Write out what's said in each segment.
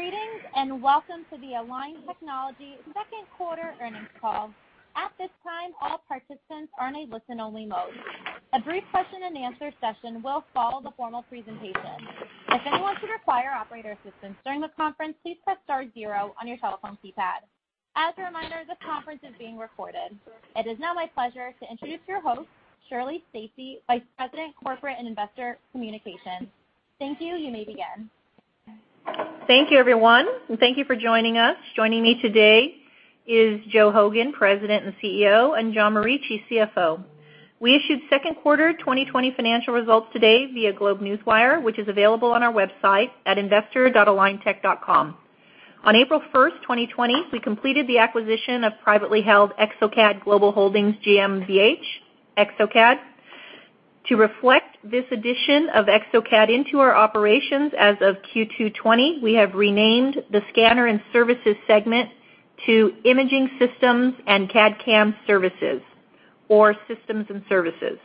Greetings, welcome to the Align Technology second quarter earnings call. At this time, all participants are in a listen-only mode. A brief question and answer session will follow the formal presentation. If anyone should require operator assistance during the conference, please press star zero on your telephone keypad. As a reminder, this conference is being recorded. It is now my pleasure to introduce your host, Shirley Stacy, Vice President, Corporate and Investor Communications. Thank you. You may begin. Thank you, everyone, and thank you for joining us. Joining me today is Joe Hogan, President and CEO, and John Morici, Chief CFO. We issued second quarter 2020 financial results today via GlobeNewswire, which is available on our website at investor.aligntech.com. On April 1st, 2020, we completed the acquisition of privately held exocad Global Holdings GmbH, exocad. To reflect this addition of exocad into our operations as of Q2 '20, we have renamed the scanner and services segment to imaging systems and CAD/CAM services, or systems and services.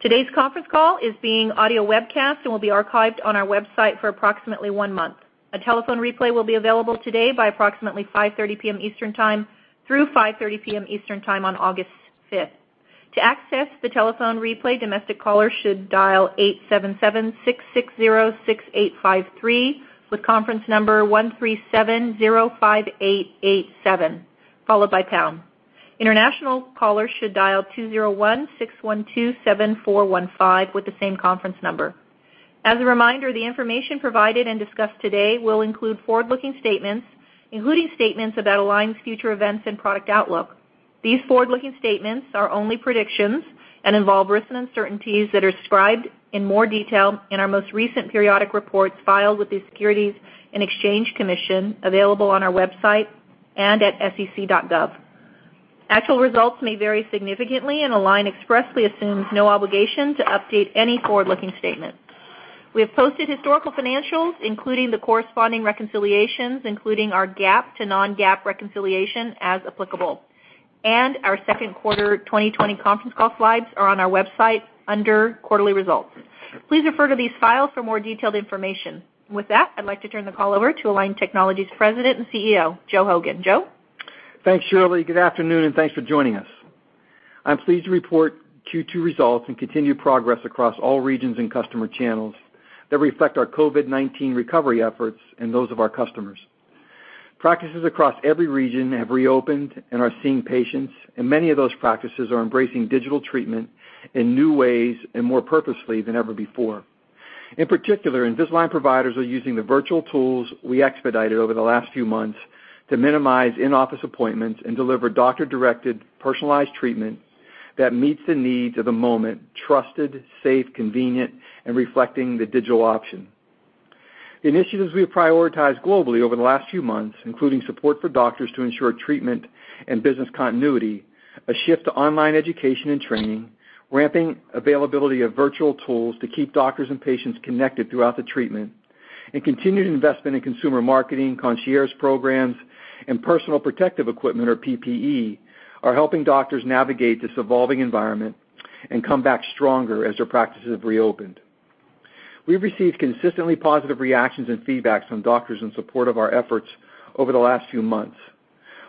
Today's conference call is being audio webcast and will be archived on our website for approximately one month. A telephone replay will be available today by approximately 5:30 P.M. Eastern Time through 5:30 P.M. Eastern Time on August 5th. To access the telephone replay, domestic callers should dial 877-660-6853 with conference number 13705887, followed by pound. International callers should dial 201-612-7415 with the same conference number. As a reminder, the information provided and discussed today will include forward-looking statements, including statements about Align's future events and product outlook. These forward-looking statements are only predictions and involve risks and uncertainties that are described in more detail in our most recent periodic reports filed with the Securities and Exchange Commission, available on our website and at sec.gov. Actual results may vary significantly, and Align expressly assumes no obligation to update any forward-looking statements. We have posted historical financials, including the corresponding reconciliations, including our GAAP to non-GAAP reconciliation as applicable. Our second quarter 2020 conference call slides are on our website under Quarterly Results. Please refer to these files for more detailed information. With that, I'd like to turn the call over to Align Technology's President and CEO, Joe Hogan. Joe? Thanks, Shirley. Good afternoon, thanks for joining us. I'm pleased to report Q2 results and continued progress across all regions and customer channels that reflect our COVID-19 recovery efforts and those of our customers. Practices across every region have reopened and are seeing patients, many of those practices are embracing digital treatment in new ways and more purposefully than ever before. In particular, Invisalign providers are using the virtual tools we expedited over the last few months to minimize in-office appointments and deliver doctor-directed, personalized treatment that meets the needs of the moment, trusted, safe, convenient, and reflecting the digital option. Initiatives we have prioritized globally over the last few months, including support for doctors to ensure treatment and business continuity, a shift to online education and training, ramping availability of virtual tools to keep doctors and patients connected throughout the treatment, and continued investment in consumer marketing, concierge programs, and personal protective equipment, or PPE, are helping doctors navigate this evolving environment and come back stronger as their practices have reopened. We've received consistently positive reactions and feedbacks from doctors in support of our efforts over the last few months.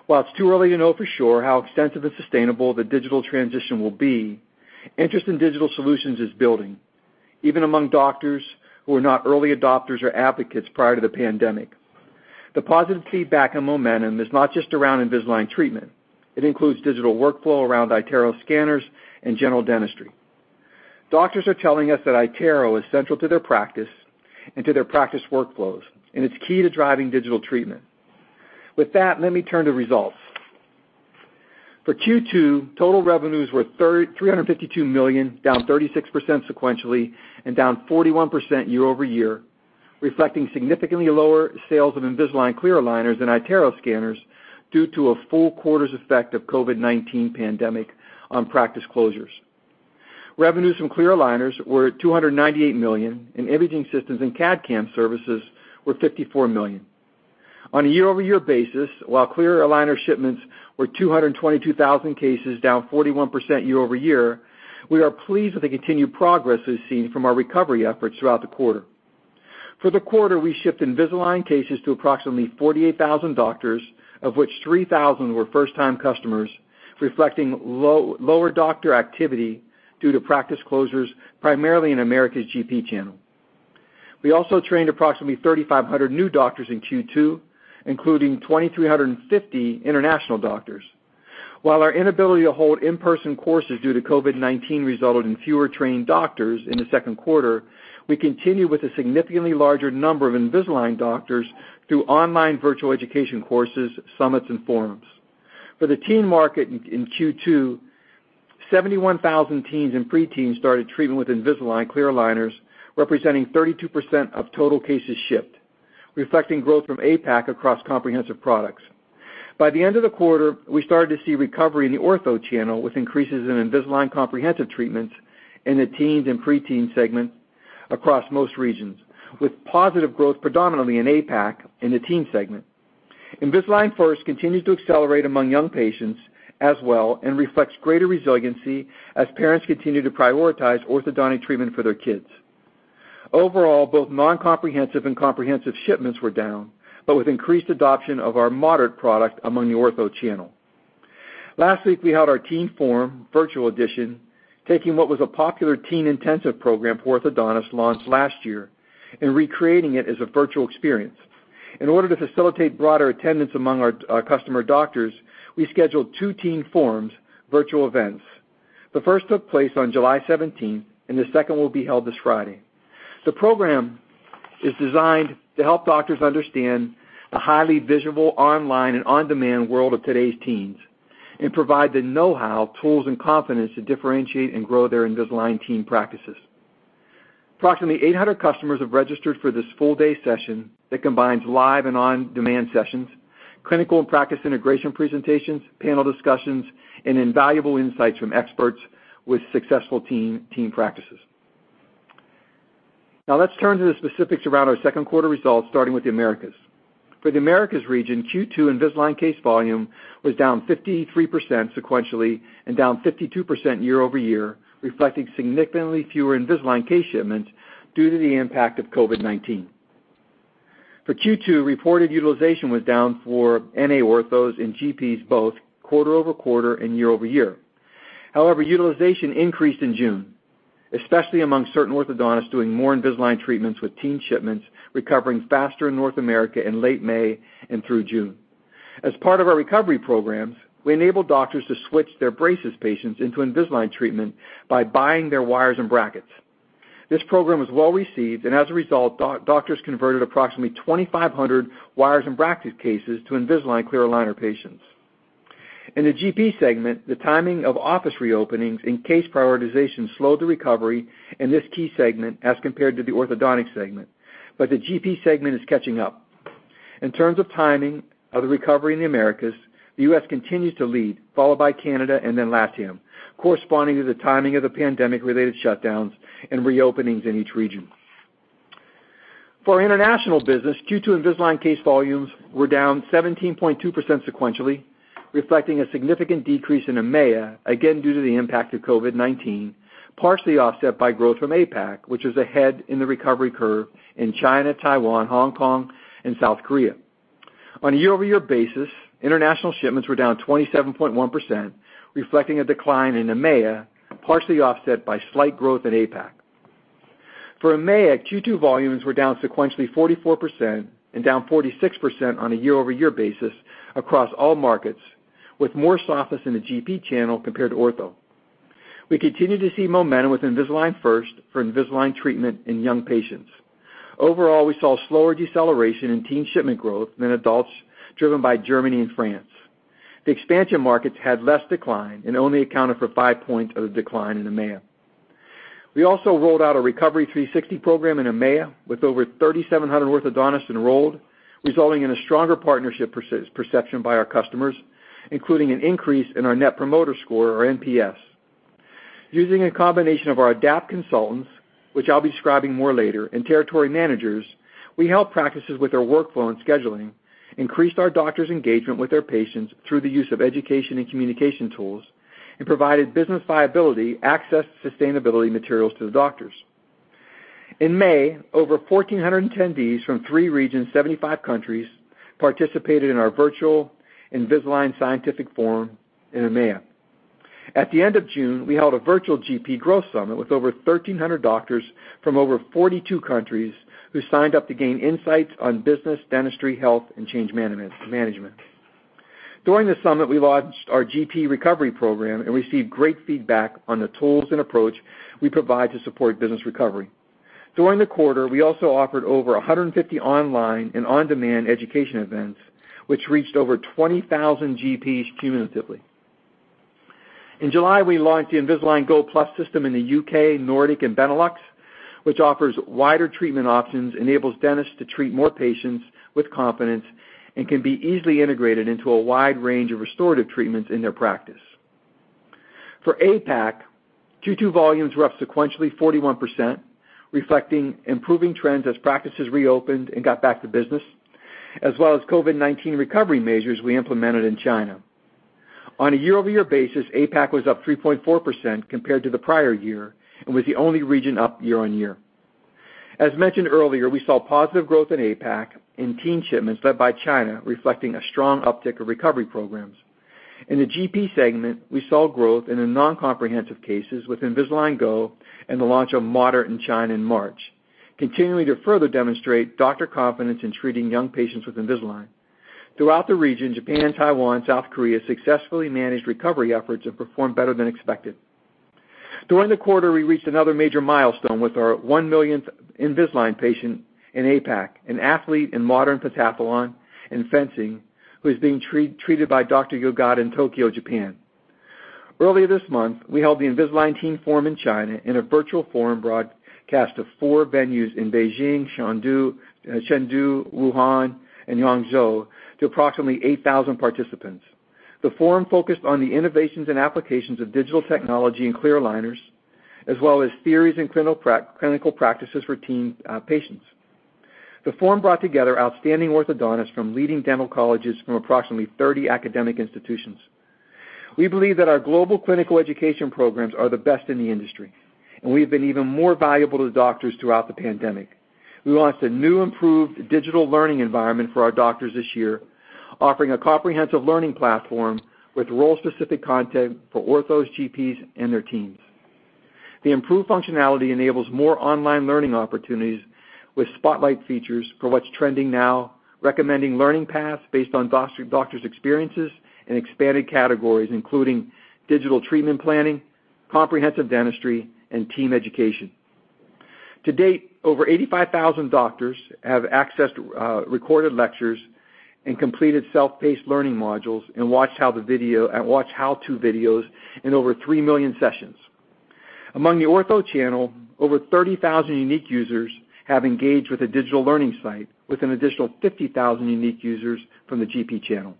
While it's too early to know for sure how extensive and sustainable the digital transition will be, interest in digital solutions is building, even among doctors who were not early adopters or advocates prior to the pandemic. The positive feedback and momentum is not just around Invisalign treatment. It includes digital workflow around iTero scanners and general dentistry. Doctors are telling us that iTero is central to their practice and to their practice workflows, it's key to driving digital treatment. With that, let me turn to results. For Q2, total revenues were $352 million, down 36% sequentially and down 41% year-over-year, reflecting significantly lower sales of Invisalign clear aligners and iTero scanners due to a full quarter's effect of COVID-19 pandemic on practice closures. Revenues from clear aligners were at $298 million, imaging systems and CAD/CAM services were $54 million. On a year-over-year basis, while clear aligner shipments were 222,000 cases, down 41% year-over-year, we are pleased with the continued progress as seen from our recovery efforts throughout the quarter. For the quarter, we shipped Invisalign cases to approximately 48,000 doctors, of which 3,000 were first-time customers, reflecting lower doctor activity due to practice closures, primarily in Americas GP channel. We also trained approximately 3,500 new doctors in Q2, including 2,350 international doctors. While our inability to hold in-person courses due to COVID-19 resulted in fewer trained doctors in the second quarter, we continue with a significantly larger number of Invisalign doctors through online virtual education courses, summits, and forums. For the teen market in Q2, 71,000 teens and preteens started treatment with Invisalign clear aligners, representing 32% of total cases shipped, reflecting growth from APAC across comprehensive products. By the end of the quarter, we started to see recovery in the ortho channel, with increases in Invisalign Comprehensive treatments in the teens and preteen segment across most regions, with positive growth predominantly in APAC in the teen segment. Invisalign First continues to accelerate among young patients as well and reflects greater resiliency as parents continue to prioritize orthodontic treatment for their kids. Overall, both non-Comprehensive and Comprehensive shipments were down, but with increased adoption of our Moderate product among the ortho channel. Last week, we held our Teen Forum virtual edition, taking what was a popular Teen Intensive program for orthodontists launched last year and recreating it as a virtual experience. In order to facilitate broader attendance among our customer doctors, we scheduled two Teen Forums virtual events. The first took place on July 17th, and the second will be held this Friday. The program is designed to help doctors understand the highly visible online and on-demand world of today's teens and provide the know-how, tools, and confidence to differentiate and grow their Invisalign teen practices. Approximately 800 customers have registered for this full-day session that combines live and on-demand sessions, clinical and practice integration presentations, panel discussions, and invaluable insights from experts with successful teen practices. Now let's turn to the specifics around our second quarter results, starting with the Americas. For the Americas region, Q2 Invisalign case volume was down 53% sequentially and down 52% year-over-year, reflecting significantly fewer Invisalign case shipments due to the impact of COVID-19. For Q2, reported utilization was down for NA orthos and GPs, both quarter-over-quarter and year-over-year. However, utilization increased in June, especially among certain orthodontists doing more Invisalign treatments, with teen shipments recovering faster in North America in late May and through June. As part of our recovery programs, we enable doctors to switch their braces patients into Invisalign treatment by buying their wires and brackets. This program was well-received, and as a result, doctors converted approximately 2,500 wires and bracket cases to Invisalign clear aligner patients. In the GP segment, the timing of office reopenings and case prioritization slowed the recovery in this key segment as compared to the orthodontic segment, but the GP segment is catching up. In terms of timing of the recovery in the Americas, the U.S. continues to lead, followed by Canada and then LATAM, corresponding to the timing of the pandemic-related shutdowns and reopenings in each region. For our international business, Q2 Invisalign case volumes were down 17.2% sequentially, reflecting a significant decrease in EMEA, again due to the impact of COVID-19, partially offset by growth from APAC, which is ahead in the recovery curve in China, Taiwan, Hong Kong, and South Korea. On a year-over-year basis, international shipments were down 27.1%, reflecting a decline in EMEA, partially offset by slight growth in APAC. For EMEA, Q2 volumes were down sequentially 44% and down 46% on a year-over-year basis across all markets, with more softness in the GP channel compared to ortho. We continue to see momentum with Invisalign First for Invisalign treatment in young patients. Overall, we saw slower deceleration in teen shipment growth than adults, driven by Germany and France. The expansion markets had less decline and only accounted for 5 points of the decline in EMEA. We also rolled out an Ortho Recovery 360 Program in EMEA, with over 3,700 orthodontists enrolled, resulting in a stronger partnership perception by our customers, including an increase in our net promoter score, or NPS. Using a combination of our ADAPT consultants, which I'll be describing more later, and territory managers, we help practices with their workflow and scheduling, increased our doctors' engagement with their patients through the use of education and communication tools, and provided business viability, access to sustainability materials to the doctors. In May, over 1,400 attendees from three regions, 75 countries, participated in our virtual Invisalign scientific forum in EMEA. At the end of June, we held a virtual GP growth summit with over 1,300 doctors from over 42 countries who signed up to gain insights on business, dentistry, health, and change management. During the summit, we launched our GP recovery program and received great feedback on the tools and approach we provide to support business recovery. During the quarter, we also offered over 150 online and on-demand education events, which reached over 20,000 GPs cumulatively. In July, we launched the Invisalign Go Plus system in the U.K., Nordic, and Benelux, which offers wider treatment options, enables dentists to treat more patients with confidence, and can be easily integrated into a wide range of restorative treatments in their practice. For APAC, Q2 volumes were up sequentially 41%, reflecting improving trends as practices reopened and got back to business, as well as COVID-19 recovery measures we implemented in China. On a year-over-year basis, APAC was up 3.4% compared to the prior year and was the only region up year on year. As mentioned earlier, we saw positive growth in APAC in teen shipments led by China, reflecting a strong uptick of recovery programs. In the GP segment, we saw growth in the non-comprehensive cases with Invisalign Go and the launch of Moderate in China in March, continuing to further demonstrate doctor confidence in treating young patients with Invisalign. Throughout the region, Japan, Taiwan, South Korea successfully managed recovery efforts and performed better than expected. During the quarter, we reached another major milestone with our 1 millionth Invisalign patient in APAC, an athlete in modern pentathlon and fencing, who is being treated by Dr. Yokoya in Tokyo, Japan. Earlier this month, we held the Invisalign Teen Forum in China in a virtual forum broadcast to four venues in Beijing, Chengdu, Wuhan, and Hangzhou to approximately 8,000 participants. The forum focused on the innovations and applications of digital technology in clear aligners, as well as theories and clinical practices for teen patients. The forum brought together outstanding orthodontists from leading dental colleges from approximately 30 academic institutions. We believe that our global clinical education programs are the best in the industry, and we've been even more valuable to doctors throughout the pandemic. We launched a new, improved digital learning environment for our doctors this year, offering a comprehensive learning platform with role-specific content for orthos, GPs, and their teams. The improved functionality enables more online learning opportunities with spotlight features for what's trending now, recommending learning paths based on doctors' experiences, and expanded categories, including digital treatment planning, comprehensive dentistry, and team education. To date, over 85,000 doctors have accessed recorded lectures and completed self-paced learning modules and watched how-to videos in over 3 million sessions. Among the ortho channel, over 30,000 unique users have engaged with the digital learning site, with an additional 50,000 unique users from the GP channel.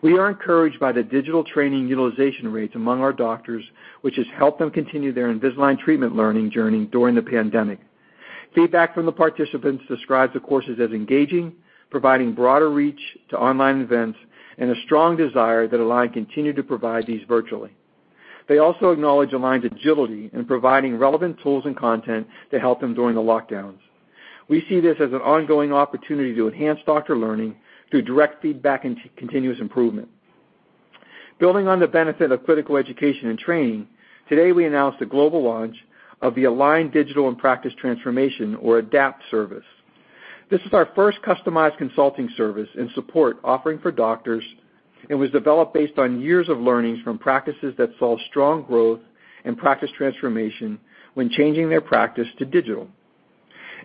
We are encouraged by the digital training utilization rates among our doctors, which has helped them continue their Invisalign treatment learning journey during the pandemic. Feedback from the participants describes the courses as engaging, providing broader reach to online events, and a strong desire that Align continue to provide these virtually. They also acknowledge Align's agility in providing relevant tools and content to help them during the lockdowns. We see this as an ongoing opportunity to enhance doctor learning through direct feedback and continuous improvement. Building on the benefit of clinical education and training, today, we announced the global launch of the Align Digital and Practice Transformation, or ADAPT service. This is our first customized consulting service and support offering for doctors, and was developed based on years of learnings from practices that saw strong growth and practice transformation when changing their practice to digital.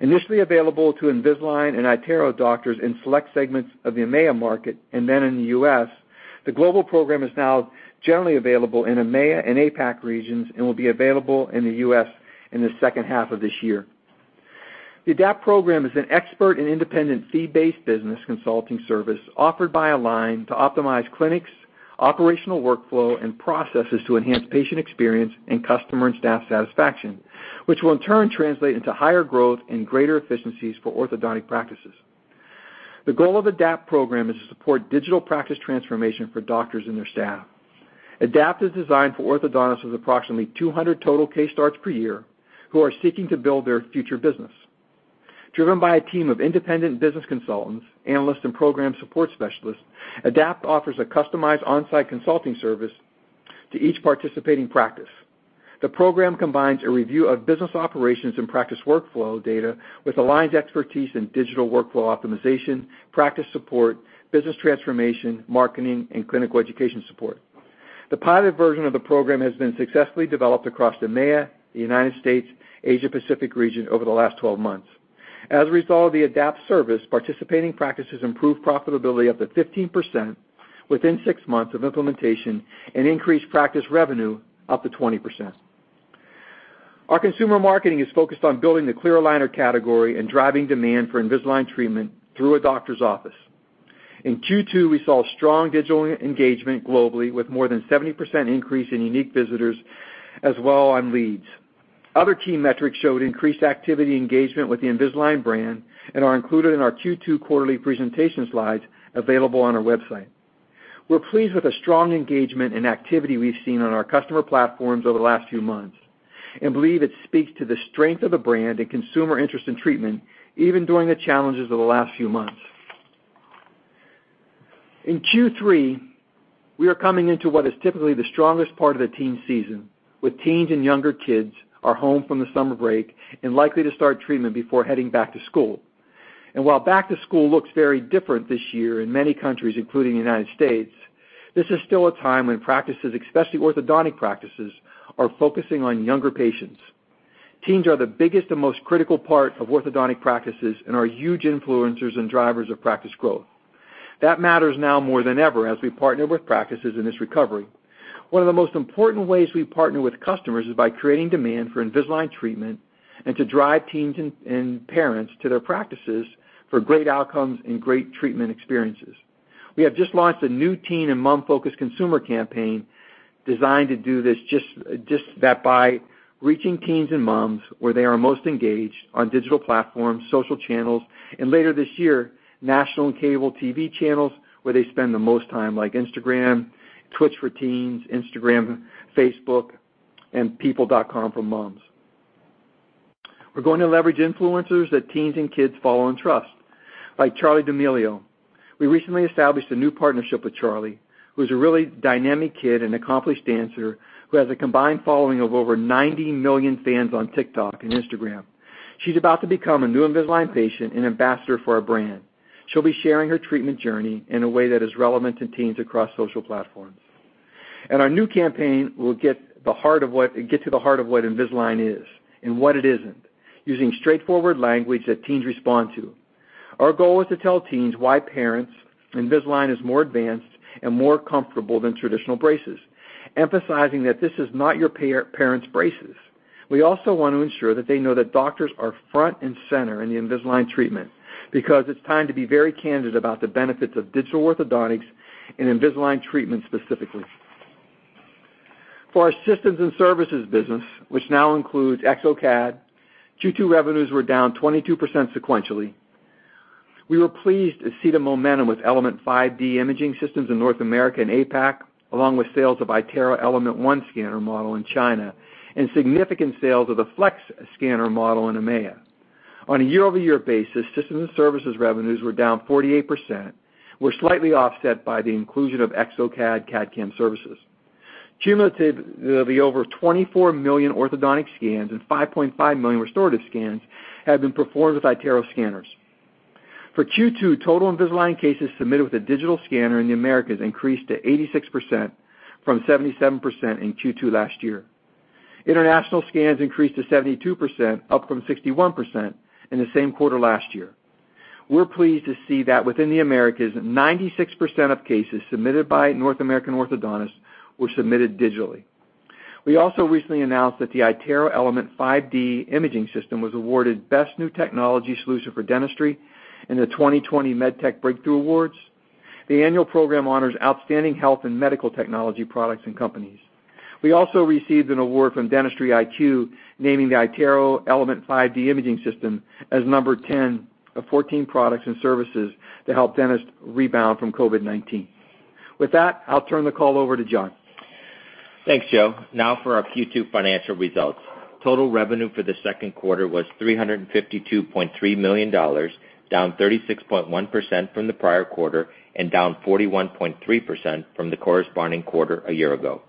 Initially available to Invisalign and iTero doctors in select segments of the EMEA market, and then in the U.S., the global program is now generally available in EMEA and APAC regions, and will be available in the U.S. in the second half of this year. The ADAPT program is an expert and independent fee-based business consulting service offered by Align to optimize clinics, operational workflow, and processes to enhance patient experience and customer and staff satisfaction, which will, in turn, translate into higher growth and greater efficiencies for orthodontic practices. The goal of ADAPT program is to support digital practice transformation for doctors and their staff. ADAPT is designed for orthodontists with approximately 200 total case starts per year who are seeking to build their future business. Driven by a team of independent business consultants, analysts, and program support specialists, ADAPT offers a customized on-site consulting service to each participating practice. The program combines a review of business operations and practice workflow data with Align's expertise in digital workflow optimization, practice support, business transformation, marketing, and clinical education support. The pilot version of the program has been successfully developed across EMEA, the U.S., Asia Pacific region over the last 12 months. As a result of the ADAPT service, participating practices improved profitability up to 15% within six months of implementation and increased practice revenue up to 20%. Our consumer marketing is focused on building the clear aligner category and driving demand for Invisalign treatment through a doctor's office. In Q2, we saw strong digital engagement globally, with more than 70% increase in unique visitors as well on leads. Other key metrics showed increased activity engagement with the Invisalign brand and are included in our Q2 quarterly presentation slides available on our website. We're pleased with the strong engagement and activity we've seen on our customer platforms over the last few months, and believe it speaks to the strength of the brand and consumer interest in treatment, even during the challenges of the last few months. In Q3, we are coming into what is typically the strongest part of the teen season, with teens and younger kids are home from the summer break and likely to start treatment before heading back to school. While back to school looks very different this year in many countries, including the U.S., this is still a time when practices, especially orthodontic practices, are focusing on younger patients. Teens are the biggest and most critical part of orthodontic practices and are huge influencers and drivers of practice growth. That matters now more than ever as we partner with practices in this recovery. One of the most important ways we partner with customers is by creating demand for Invisalign treatment and to drive teens and parents to their practices for great outcomes and great treatment experiences. We have just launched a new teen and mom-focused consumer campaign designed to do just that by reaching teens and moms where they are most engaged on digital platforms, social channels, and later this year, national and cable TV channels where they spend the most time, like Instagram, Twitch for teens, Instagram, Facebook, and people.com for moms. We're going to leverage influencers that teens and kids follow and trust, like Charli D'Amelio. We recently established a new partnership with Charli, who's a really dynamic kid and accomplished dancer who has a combined following of over 90 million fans on TikTok and Instagram. She's about to become a new Invisalign patient and ambassador for our brand. She'll be sharing her treatment journey in a way that is relevant to teens across social platforms. Our new campaign will get to the heart of what Invisalign is and what it isn't, using straightforward language that teens respond to. Our goal is to tell teens why parents, Invisalign is more advanced and more comfortable than traditional braces, emphasizing that this is not your parents' braces. We also want to ensure that they know that doctors are front and center in the Invisalign treatment. It's time to be very candid about the benefits of digital orthodontics and Invisalign treatment specifically. For our systems and services business, which now includes exocad, Q2 revenues were down 22% sequentially. We were pleased to see the momentum with Element 5D imaging systems in North America and APAC, along with sales of iTero Element 1 scanner model in China, and significant sales of the Flex scanner model in EMEA. On a year-over-year basis, systems and services revenues were down 48%, were slightly offset by the inclusion of exocad CAD/CAM services. Cumulative, there'll be over 24 million orthodontic scans and 5.5 million restorative scans have been performed with iTero scanners. For Q2, total Invisalign cases submitted with a digital scanner in the Americas increased to 86% from 77% in Q2 last year. International scans increased to 72%, up from 61% in the same quarter last year. We're pleased to see that within the Americas, 96% of cases submitted by North American orthodontists were submitted digitally. We also recently announced that the iTero Element 5D imaging system was awarded Best New Technology Solution for Dentistry in the 2020 MedTech Breakthrough Awards. The annual program honors outstanding health and medical technology products and companies. We also received an award from DentistryIQ, naming the iTero Element 5D imaging system as number 10 of 14 products and services to help dentists rebound from COVID-19. With that, I'll turn the call over to John. Thanks, Joe. Now for our Q2 financial results. Total revenue for the second quarter was $352.3 million, down 36.1% from the prior quarter and down 41.3% from the corresponding quarter a year ago.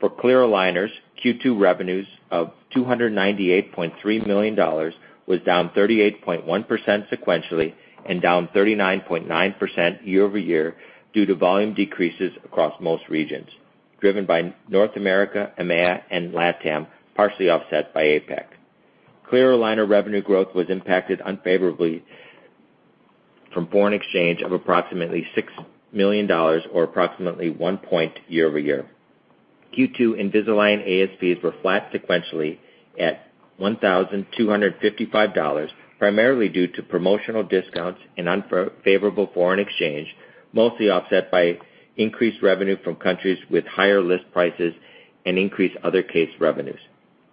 For clear aligners, Q2 revenues of $298.3 million was down 38.1% sequentially and down 39.9% year-over-year due to volume decreases across most regions, driven by North America, EMEA, and LATAM, partially offset by APAC. Clear aligner revenue growth was impacted unfavorably from foreign exchange of approximately $6 million or approximately 1 point year-over-year. Q2 Invisalign ASPs were flat sequentially at $1,255, primarily due to promotional discounts and unfavorable foreign exchange, mostly offset by increased revenue from countries with higher list prices and increased other case revenues.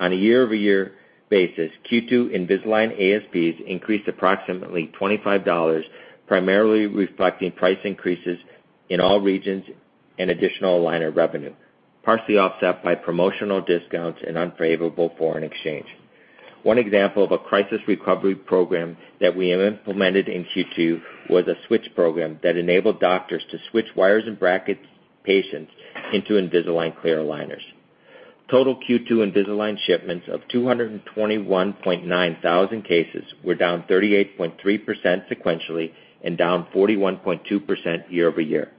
On a year-over-year basis, Q2 Invisalign ASPs increased approximately $25, primarily reflecting price increases in all regions and additional aligner revenue, partially offset by promotional discounts and unfavorable foreign exchange. One example of a crisis recovery program that we have implemented in Q2 was a switch program that enabled doctors to switch wires and brackets patients into Invisalign clear aligners. Total Q2 Invisalign shipments of 221,900 cases were down 38.3% sequentially and down 41.2% year-over-year.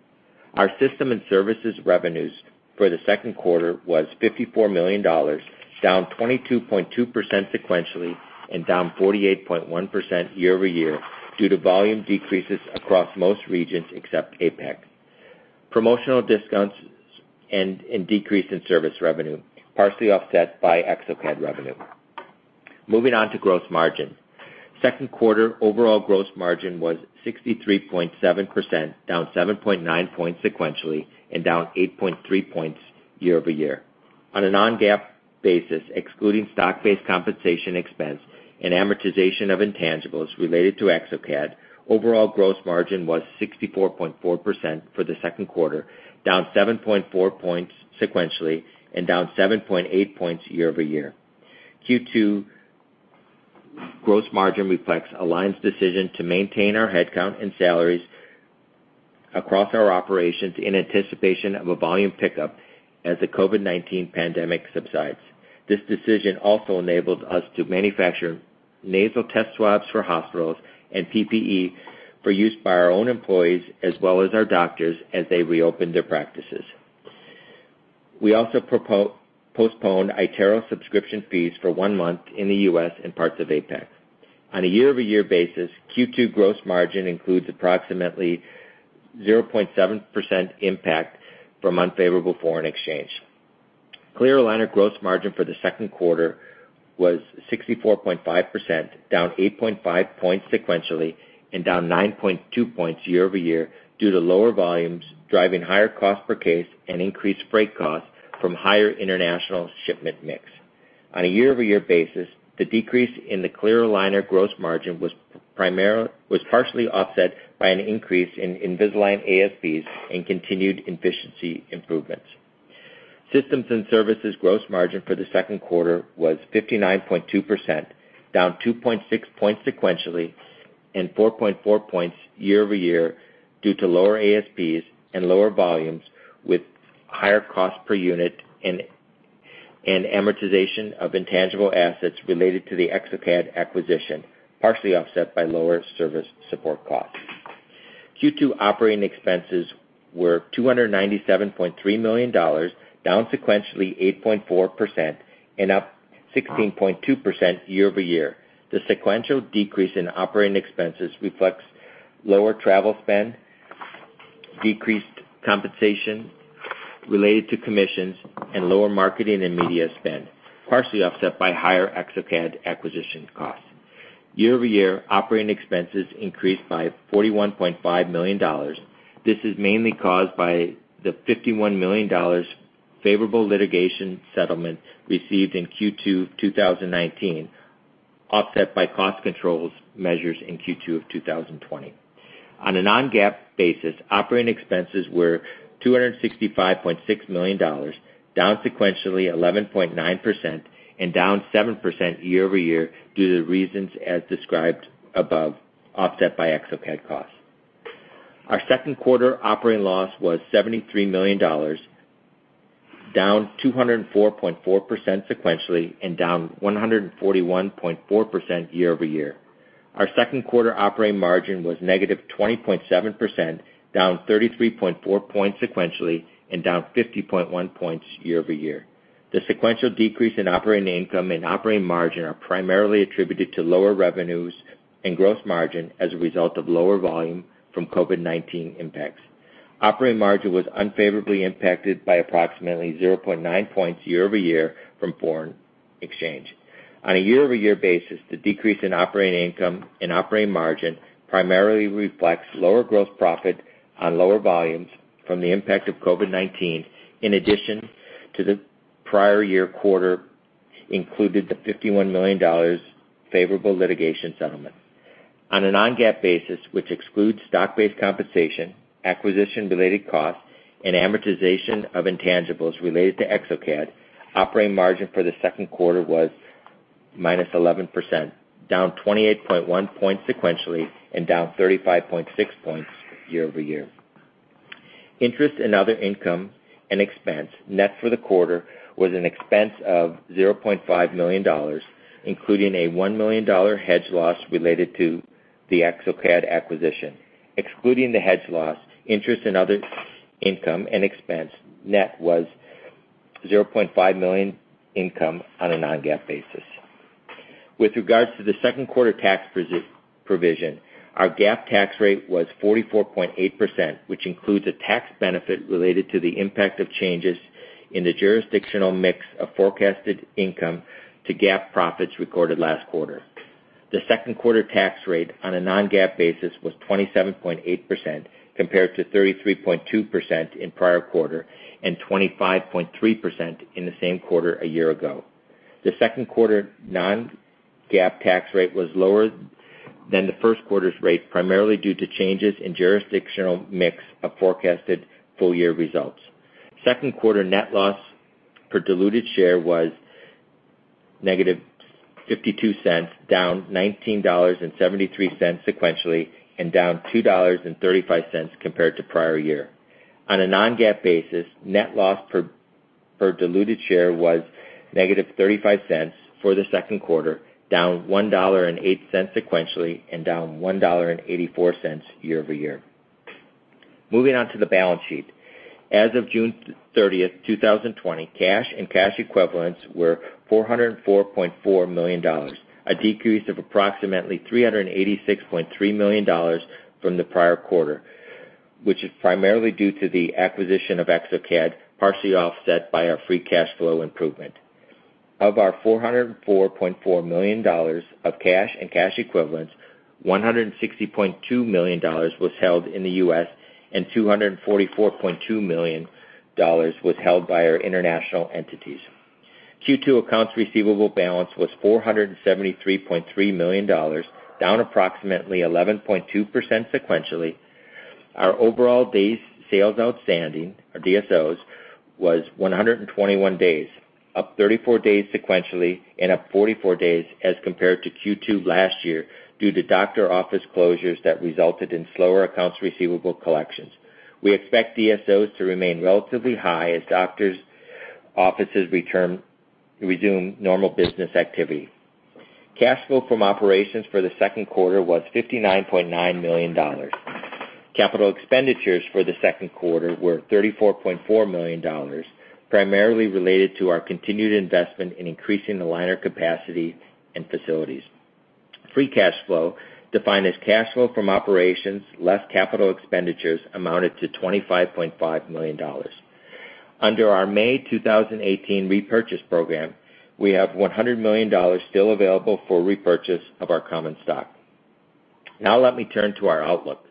Our system and services revenues for the second quarter was $54 million, down 22.2% sequentially and down 48.1% year-over-year due to volume decreases across most regions except APAC. Promotional discounts and decrease in service revenue, partially offset by exocad revenue. Moving on to gross margin. Second quarter overall gross margin was 63.7%, down 7.9 points sequentially and down 8.3 points year-over-year. On a non-GAAP basis, excluding stock-based compensation expense and amortization of intangibles related to exocad, overall gross margin was 64.4% for the second quarter, down 7.4 points sequentially and down 7.8 points year-over-year. Q2 gross margin reflects Align's decision to maintain our headcount and salaries across our operations in anticipation of a volume pickup as the COVID-19 pandemic subsides. This decision also enables us to manufacture nasal test swabs for hospitals and PPE for use by our own employees as well as our doctors as they reopen their practices. We also postponed iTero subscription fees for one month in the U.S. and parts of APAC. On a year-over-year basis, Q2 gross margin includes approximately 0.7% impact from unfavorable foreign exchange. Clear aligner gross margin for the second quarter was 64.5%, down 8.5 points sequentially and down 9.2 points year-over-year due to lower volumes, driving higher cost per case and increased freight costs from higher international shipment mix. On a year-over-year basis, the decrease in the clear aligner gross margin was partially offset by an increase in Invisalign ASPs and continued efficiency improvements. Systems and services gross margin for the second quarter was 59.2%, down 2.6 points sequentially and 4.4 points year-over-year due to lower ASPs and lower volumes with higher cost per unit and amortization of intangible assets related to the exocad acquisition, partially offset by lower service support costs. Q2 operating expenses were $297.3 million, down sequentially 8.4% and up 16.2% year-over-year. The sequential decrease in operating expenses reflects lower travel spend. Decreased compensation related to commissions and lower marketing and media spend, partially offset by higher exocad acquisition costs. Year-over-year, operating expenses increased by $41.5 million. This is mainly caused by the $51 million favorable litigation settlement received in Q2 2019, offset by cost controls measures in Q2 2020. On a non-GAAP basis, operating expenses were $265.6 million, down sequentially 11.9% and down 7% year-over-year due to the reasons as described above, offset by exocad costs. Our second quarter operating loss was $73 million, down 204.4% sequentially and down 141.4% year-over-year. Our second quarter operating margin was negative 20.7%, down 33.4 points sequentially and down 50.1 points year-over-year. The sequential decrease in operating income and operating margin are primarily attributed to lower revenues and gross margin as a result of lower volume from COVID-19 impacts. Operating margin was unfavorably impacted by approximately 0.9 points year-over-year from foreign exchange. On a year-over-year basis, the decrease in operating income and operating margin primarily reflects lower gross profit on lower volumes from the impact of COVID-19, in addition to the prior year quarter included the $51 million favorable litigation settlement. On a non-GAAP basis, which excludes stock-based compensation, acquisition related costs, and amortization of intangibles related to exocad, operating margin for the second quarter was -11%, down 28.1 points sequentially and down 35.6 points year-over-year. Interest and other income and expense, net for the quarter, was an expense of $0.5 million, including a $1 million hedge loss related to the exocad acquisition. Excluding the hedge loss, interest and other income and expense, net was $0.5 million income on a non-GAAP basis. With regards to the second quarter tax provision, our GAAP tax rate was 44.8%, which includes a tax benefit related to the impact of changes in the jurisdictional mix of forecasted income to GAAP profits recorded last quarter. The second quarter tax rate on a non-GAAP basis was 27.8%, compared to 33.2% in prior quarter and 25.3% in the same quarter a year ago. The second quarter non-GAAP tax rate was lower than the first quarter's rate, primarily due to changes in jurisdictional mix of forecasted full year results. Second quarter net loss per diluted share was negative $0.52, down $19.73 sequentially and down $2.35 compared to prior year. On a non-GAAP basis, net loss per diluted share was negative $0.35 for the second quarter, down $1.08 sequentially and down $1.84 year-over-year. Moving on to the balance sheet. As of June 30th, 2020, cash and cash equivalents were $404.4 million, a decrease of approximately $386.3 million from the prior quarter, which is primarily due to the acquisition of exocad, partially offset by our free cash flow improvement. Of our $404.4 million of cash and cash equivalents, $160.2 million was held in the U.S. and $244.2 million was held by our international entities. Q2 accounts receivable balance was $473.3 million, down approximately 11.2% sequentially. Our overall days sales outstanding, our DSOs, was 121 days, up 34 days sequentially and up 44 days as compared to Q2 last year due to doctor office closures that resulted in slower accounts receivable collections. We expect DSOs to remain relatively high as doctors' offices resume normal business activity. Cash flow from operations for the second quarter was $59.9 million. Capital expenditures for the second quarter were $34.4 million, primarily related to our continued investment in increasing aligner capacity and facilities. Free cash flow, defined as cash flow from operations less capital expenditures, amounted to $25.5 million. Under our May 2018 repurchase program, we have $100 million still available for repurchase of our common stock. Let me turn to our outlook.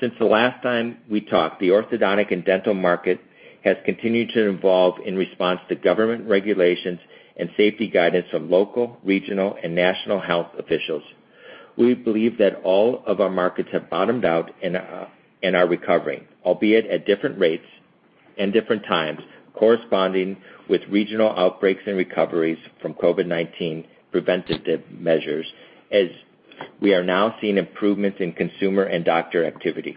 Since the last time we talked, the orthodontic and dental market has continued to evolve in response to government regulations and safety guidance from local, regional, and national health officials. We believe that all of our markets have bottomed out and are recovering, albeit at different rates and different times, corresponding with regional outbreaks and recoveries from COVID-19 preventative measures, as we are now seeing improvements in consumer and doctor activity.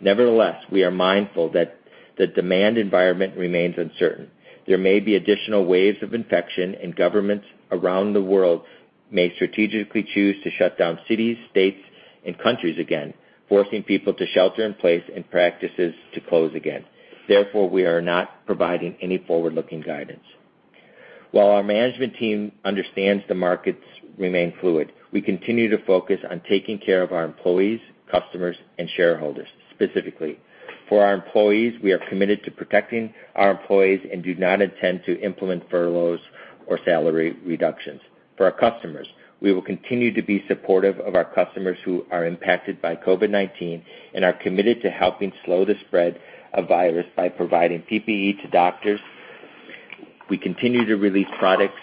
Nevertheless, we are mindful that the demand environment remains uncertain. There may be additional waves of infection, and governments around the world may strategically choose to shut down cities, states, and countries again, forcing people to shelter in place and practices to close again. Therefore, we are not providing any forward-looking guidance. While our management team understands the markets remain fluid, we continue to focus on taking care of our employees, customers, and shareholders. Specifically, for our employees, we are committed to protecting our employees and do not intend to implement furloughs or salary reductions. For our customers, we will continue to be supportive of our customers who are impacted by COVID-19 and are committed to helping slow the spread of virus by providing PPE to doctors. We continue to release products,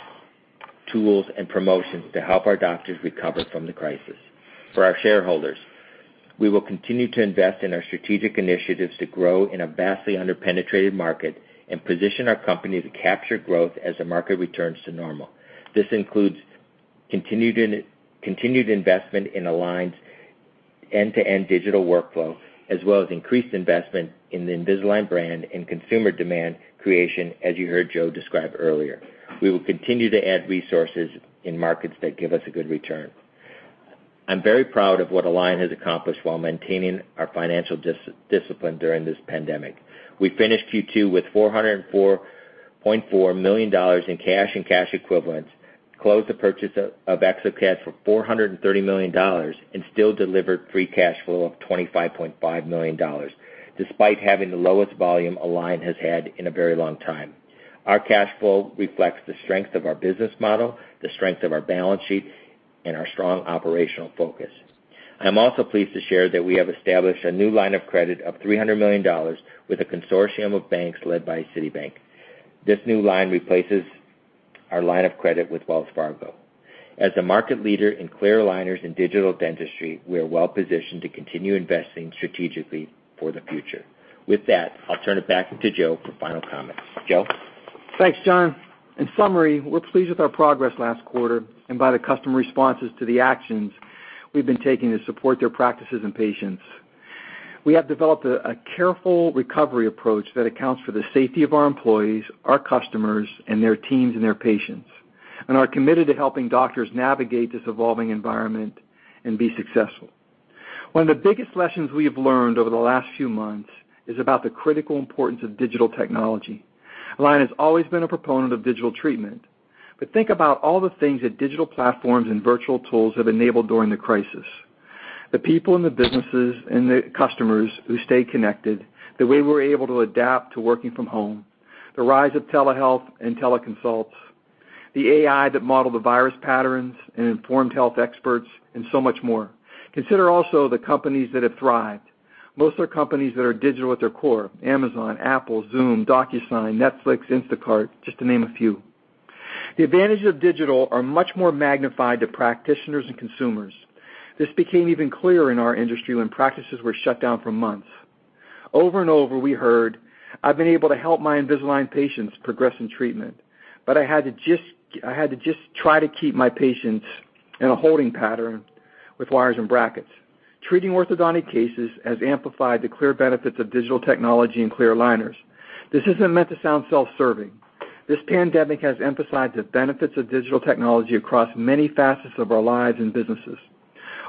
tools, and promotions to help our doctors recover from the crisis. For our shareholders, we will continue to invest in our strategic initiatives to grow in a vastly under-penetrated market and position our company to capture growth as the market returns to normal. This includes continued investment in Align's end-to-end digital workflow, as well as increased investment in the Invisalign brand and consumer demand creation, as you heard Joe describe earlier. We will continue to add resources in markets that give us a good return. I'm very proud of what Align has accomplished while maintaining our financial discipline during this pandemic. We finished Q2 with $404.4 million in cash and cash equivalents, closed the purchase of exocad for $430 million, and still delivered free cash flow of $25.5 million, despite having the lowest volume Align has had in a very long time. Our cash flow reflects the strength of our business model, the strength of our balance sheet, and our strong operational focus. I'm also pleased to share that we have established a new line of credit of $300 million with a consortium of banks led by Citibank. This new line replaces our line of credit with Wells Fargo. As the market leader in clear aligners and digital dentistry, we are well-positioned to continue investing strategically for the future. With that, I'll turn it back to Joe for final comments. Joe? Thanks, John. In summary, we're pleased with our progress last quarter and by the customer responses to the actions we've been taking to support their practices and patients. We have developed a careful recovery approach that accounts for the safety of our employees, our customers, and their teams, and their patients, and are committed to helping doctors navigate this evolving environment and be successful. One of the biggest lessons we have learned over the last few months is about the critical importance of digital technology. Align has always been a proponent of digital treatment. Think about all the things that digital platforms and virtual tools have enabled during the crisis. The people and the businesses and the customers who stay connected, the way we're able to adapt to working from home, the rise of telehealth and teleconsults, the AI that modeled the virus patterns and informed health experts, and so much more. Consider also the companies that have thrived. Most are companies that are digital at their core, Amazon, Apple, Zoom, DocuSign, Netflix, Instacart, just to name a few. The advantages of digital are much more magnified to practitioners and consumers. This became even clearer in our industry when practices were shut down for months. Over and over, we heard, "I've been able to help my Invisalign patients progress in treatment, but I had to just try to keep my patients in a holding pattern with wires and brackets." Treating orthodontic cases has amplified the clear benefits of digital technology and clear aligners. This isn't meant to sound self-serving. This pandemic has emphasized the benefits of digital technology across many facets of our lives and businesses.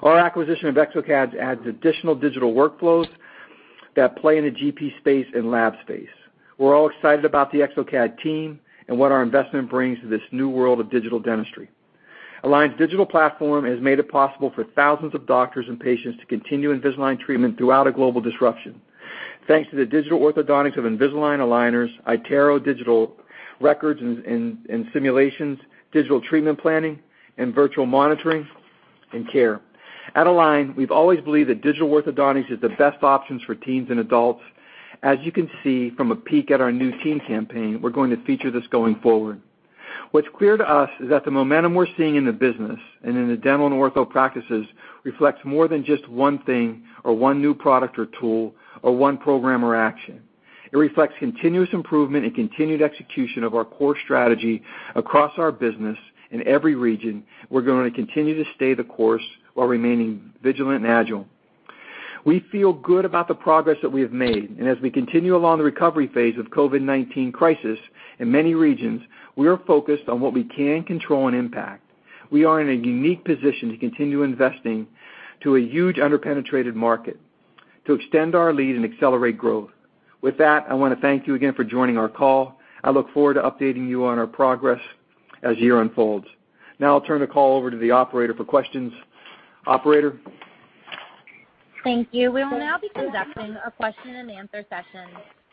Our acquisition of exocad adds additional digital workflows that play in the GP space and lab space. We're all excited about the exocad team and what our investment brings to this new world of digital dentistry. Align's digital platform has made it possible for thousands of doctors and patients to continue Invisalign treatment throughout a global disruption. Thanks to the digital orthodontics of Invisalign aligners, iTero digital records and simulations, digital treatment planning, and virtual monitoring and care. At Align, we've always believed that digital orthodontics is the best options for teens and adults. As you can see from a peek at our new teen campaign, we're going to feature this going forward. What's clear to us is that the momentum we're seeing in the business and in the dental and ortho practices reflects more than just one thing or one new product or tool, or one program or action. It reflects continuous improvement and continued execution of our core strategy across our business in every region. We're going to continue to stay the course while remaining vigilant and agile. We feel good about the progress that we have made, and as we continue along the recovery phase of COVID-19 crisis, in many regions, we are focused on what we can control and impact. We are in a unique position to continue investing to a huge under-penetrated market, to extend our lead and accelerate growth. With that, I want to thank you again for joining our call. I look forward to updating you on our progress as the year unfolds. Now I'll turn the call over to the operator for questions. Operator? Thank you. We will now be conducting a question and answer session.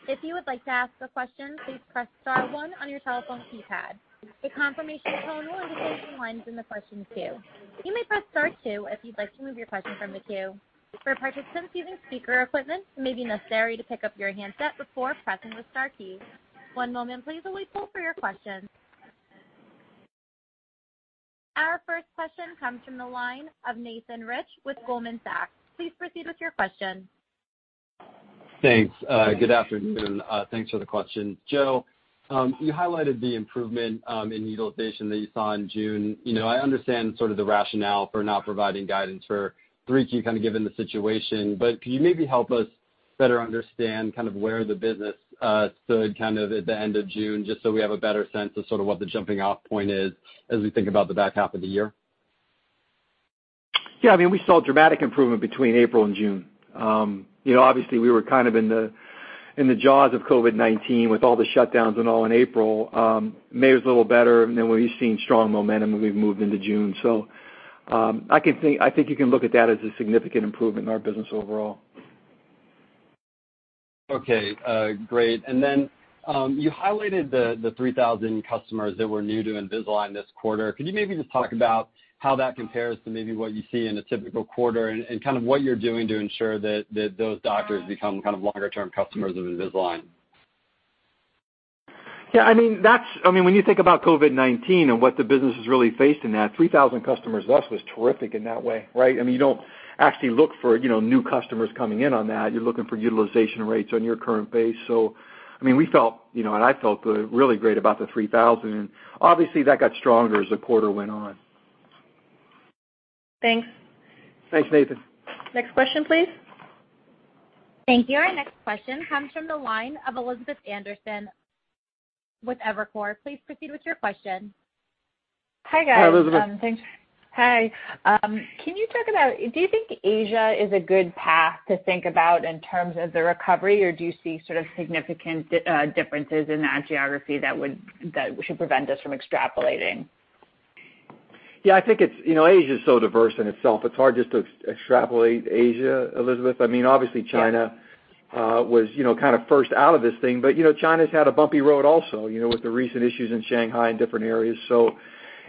If you would like to ask a question, please press star one on your telephone keypad. The confirmation tone will indicate you're in the question queue. You may press star two if you'd like to remove your question from the queue. For participants using speaker equipment, it may be necessary to pick up your handset before pressing the star key. One moment please while we pull for your question. Our first question comes from the line of Nathan Rich with Goldman Sachs. Please proceed with your question. Thanks. Good afternoon. Thanks for the question. Joe, you highlighted the improvement in utilization that you saw in June. I understand sort of the rationale for not providing guidance for 3Q, kind of given the situation, but can you maybe help us better understand kind of where the business stood kind of at the end of June, just so we have a better sense of sort of what the jumping-off point is as we think about the back half of the year? Yeah. We saw dramatic improvement between April and June. Obviously, we were kind of in the jaws of COVID-19 with all the shutdowns and all in April. May was a little better, we've seen strong momentum as we've moved into June. I think you can look at that as a significant improvement in our business overall. Okay. Great. You highlighted the 3,000 customers that were new to Invisalign this quarter. Could you maybe just talk about how that compares to maybe what you see in a typical quarter and kind of what you're doing to ensure that those doctors become kind of longer-term customers of Invisalign? Yeah. When you think about COVID-19 and what the business has really faced in that, 3,000 customers less was terrific in that way, right? You don't actually look for new customers coming in on that. You're looking for utilization rates on your current base. We felt, and I felt really great about the 3,000, and obviously, that got stronger as the quarter went on. Thanks. Thanks, Nathan. Next question, please. Thank you. Our next question comes from the line of Elizabeth Anderson with Evercore. Please proceed with your question. Hi, guys. Hi, Elizabeth. Hi. Do you think Asia is a good path to think about in terms of the recovery? Do you see sort of significant differences in that geography that should prevent us from extrapolating? Yeah. Asia's so diverse in itself, it's hard just to extrapolate Asia, Elizabeth. Obviously, China was kind of first out of this thing. China's had a bumpy road also, with the recent issues in Shanghai and different areas.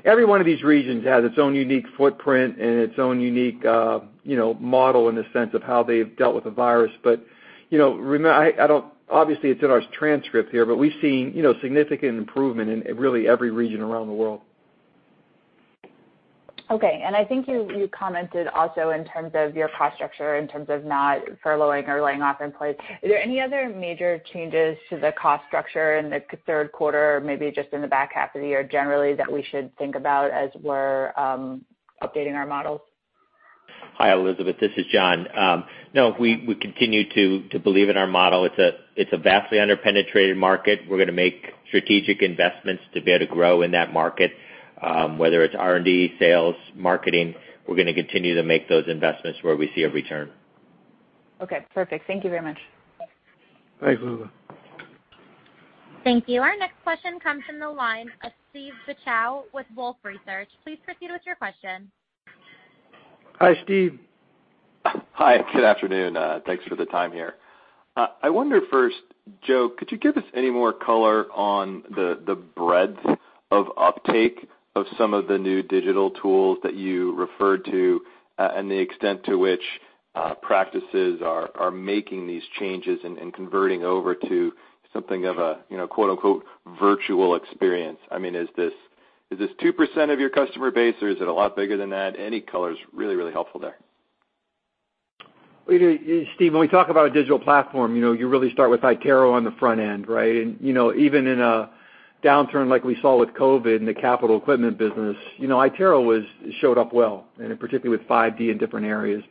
Every one of these regions has its own unique footprint and its own unique model in the sense of how they've dealt with the virus. Obviously, it's in our transcript here. We've seen significant improvement in really every region around the world. Okay. I think you commented also in terms of your cost structure, in terms of not furloughing or laying off employees. Are there any other major changes to the cost structure in the third quarter, maybe just in the back half of the year generally, that we should think about as we're updating our models? Hi, Elizabeth. This is John. We continue to believe in our model. It's a vastly under-penetrated market. We're going to make strategic investments to be able to grow in that market. Whether it's R&D, sales, marketing, we're going to continue to make those investments where we see a return. Okay, perfect. Thank you very much. Thanks, Elizabeth. Thank you. Our next question comes from the line of Steve Beuchaw with Wolfe Research. Please proceed with your question. Hi, Steve. Hi. Good afternoon. Thanks for the time here. I wonder first, Joe, could you give us any more color on the breadth of uptake of some of the new digital tools that you referred to and the extent to which practices are making these changes and converting over to something of a quote, unquote, "virtual experience?" Is this 2% of your customer base, or is it a lot bigger than that? Any color is really helpful there. Steve, when we talk about a digital platform, you really start with iTero on the front end, right? Even in a downturn like we saw with COVID and the capital equipment business, iTero showed up well, and in particular with 5D in different areas.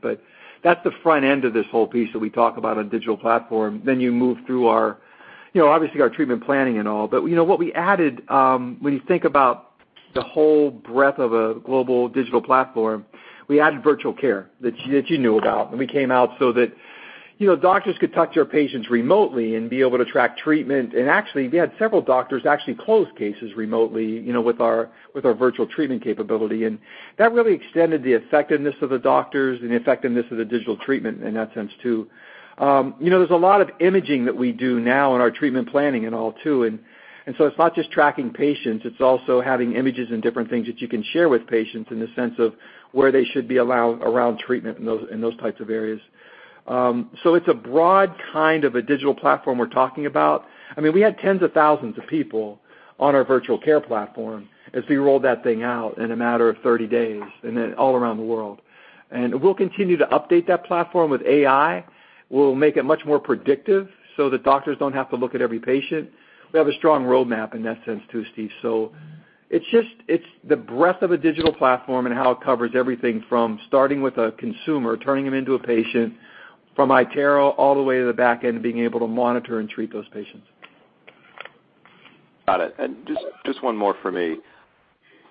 That's the front end of this whole piece that we talk about on digital platform. You move through, obviously, our treatment planning and all. What we added, when you think about the whole breadth of a global digital platform, we added Virtual Care, that you knew about, and we came out so that doctors could talk to our patients remotely and be able to track treatment. Actually, we had several doctors actually close cases remotely with our virtual treatment capability. That really extended the effectiveness of the doctors and the effectiveness of the digital treatment in that sense too. There's a lot of imaging that we do now in our treatment planning and all too, and so it's not just tracking patients, it's also having images and different things that you can share with patients in the sense of where they should be around treatment in those types of areas. It's a broad kind of a digital platform we're talking about. We had tens of thousands of people on our Virtual Care platform as we rolled that thing out in a matter of 30 days and then all around the world. We'll continue to update that platform with AI. We'll make it much more predictive so that doctors don't have to look at every patient. We have a strong roadmap in that sense too, Steve. It's the breadth of a digital platform and how it covers everything from starting with a consumer, turning them into a patient, from iTero, all the way to the back end of being able to monitor and treat those patients. Got it. Just one more from me.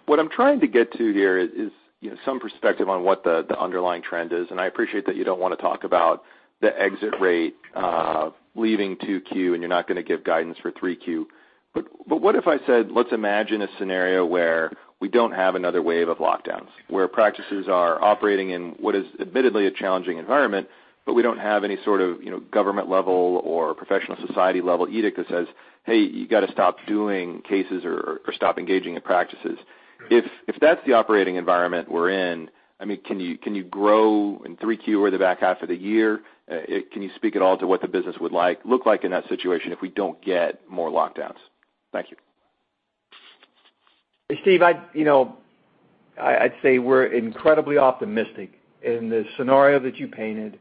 What I'm trying to get to here is some perspective on what the underlying trend is, and I appreciate that you don't want to talk about the exit rate leaving 2Q, and you're not going to give guidance for 3Q, but what if I said, let's imagine a scenario where we don't have another wave of lockdowns, where practices are operating in what is admittedly a challenging environment, but we don't have any sort of government level or professional society level edict that says, "Hey, you got to stop doing cases or stop engaging in practices." If that's the operating environment we're in, can you grow in 3Q or the back half of the year? Can you speak at all to what the business would look like in that situation if we don't get more lockdowns? Thank you. Steve, I'd say we're incredibly optimistic in the scenario that you painted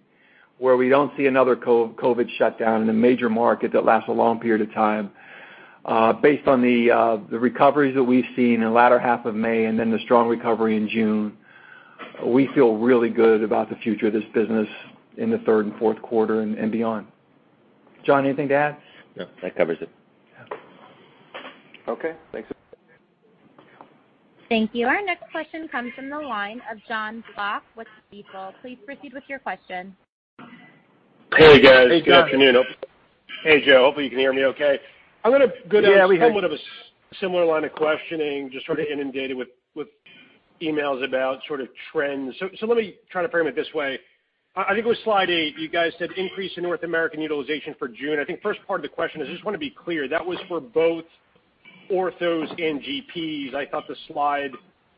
where we don't see another COVID shutdown in a major market that lasts a long period of time. Based on the recoveries that we've seen in the latter half of May and then the strong recovery in June, we feel really good about the future of this business in the third and fourth quarter and beyond. John, anything to add? No. That covers it. Okay. Thanks. Thank you. Our next question comes from the line of Jonathan Block with Stifel. Please proceed with your question. Hey, guys. Hey, John. Good afternoon. Hey, Joe. Hopefully you can hear me okay. Yeah, we can. I'm going to go down somewhat of a similar line of questioning, just sort of inundated with emails about trends. Let me try to frame it this way. I think it was slide eight, you guys said increase in North American utilization for June. I think first part of the question is, I just want to be clear, that was for both orthos and GPs. I thought the slide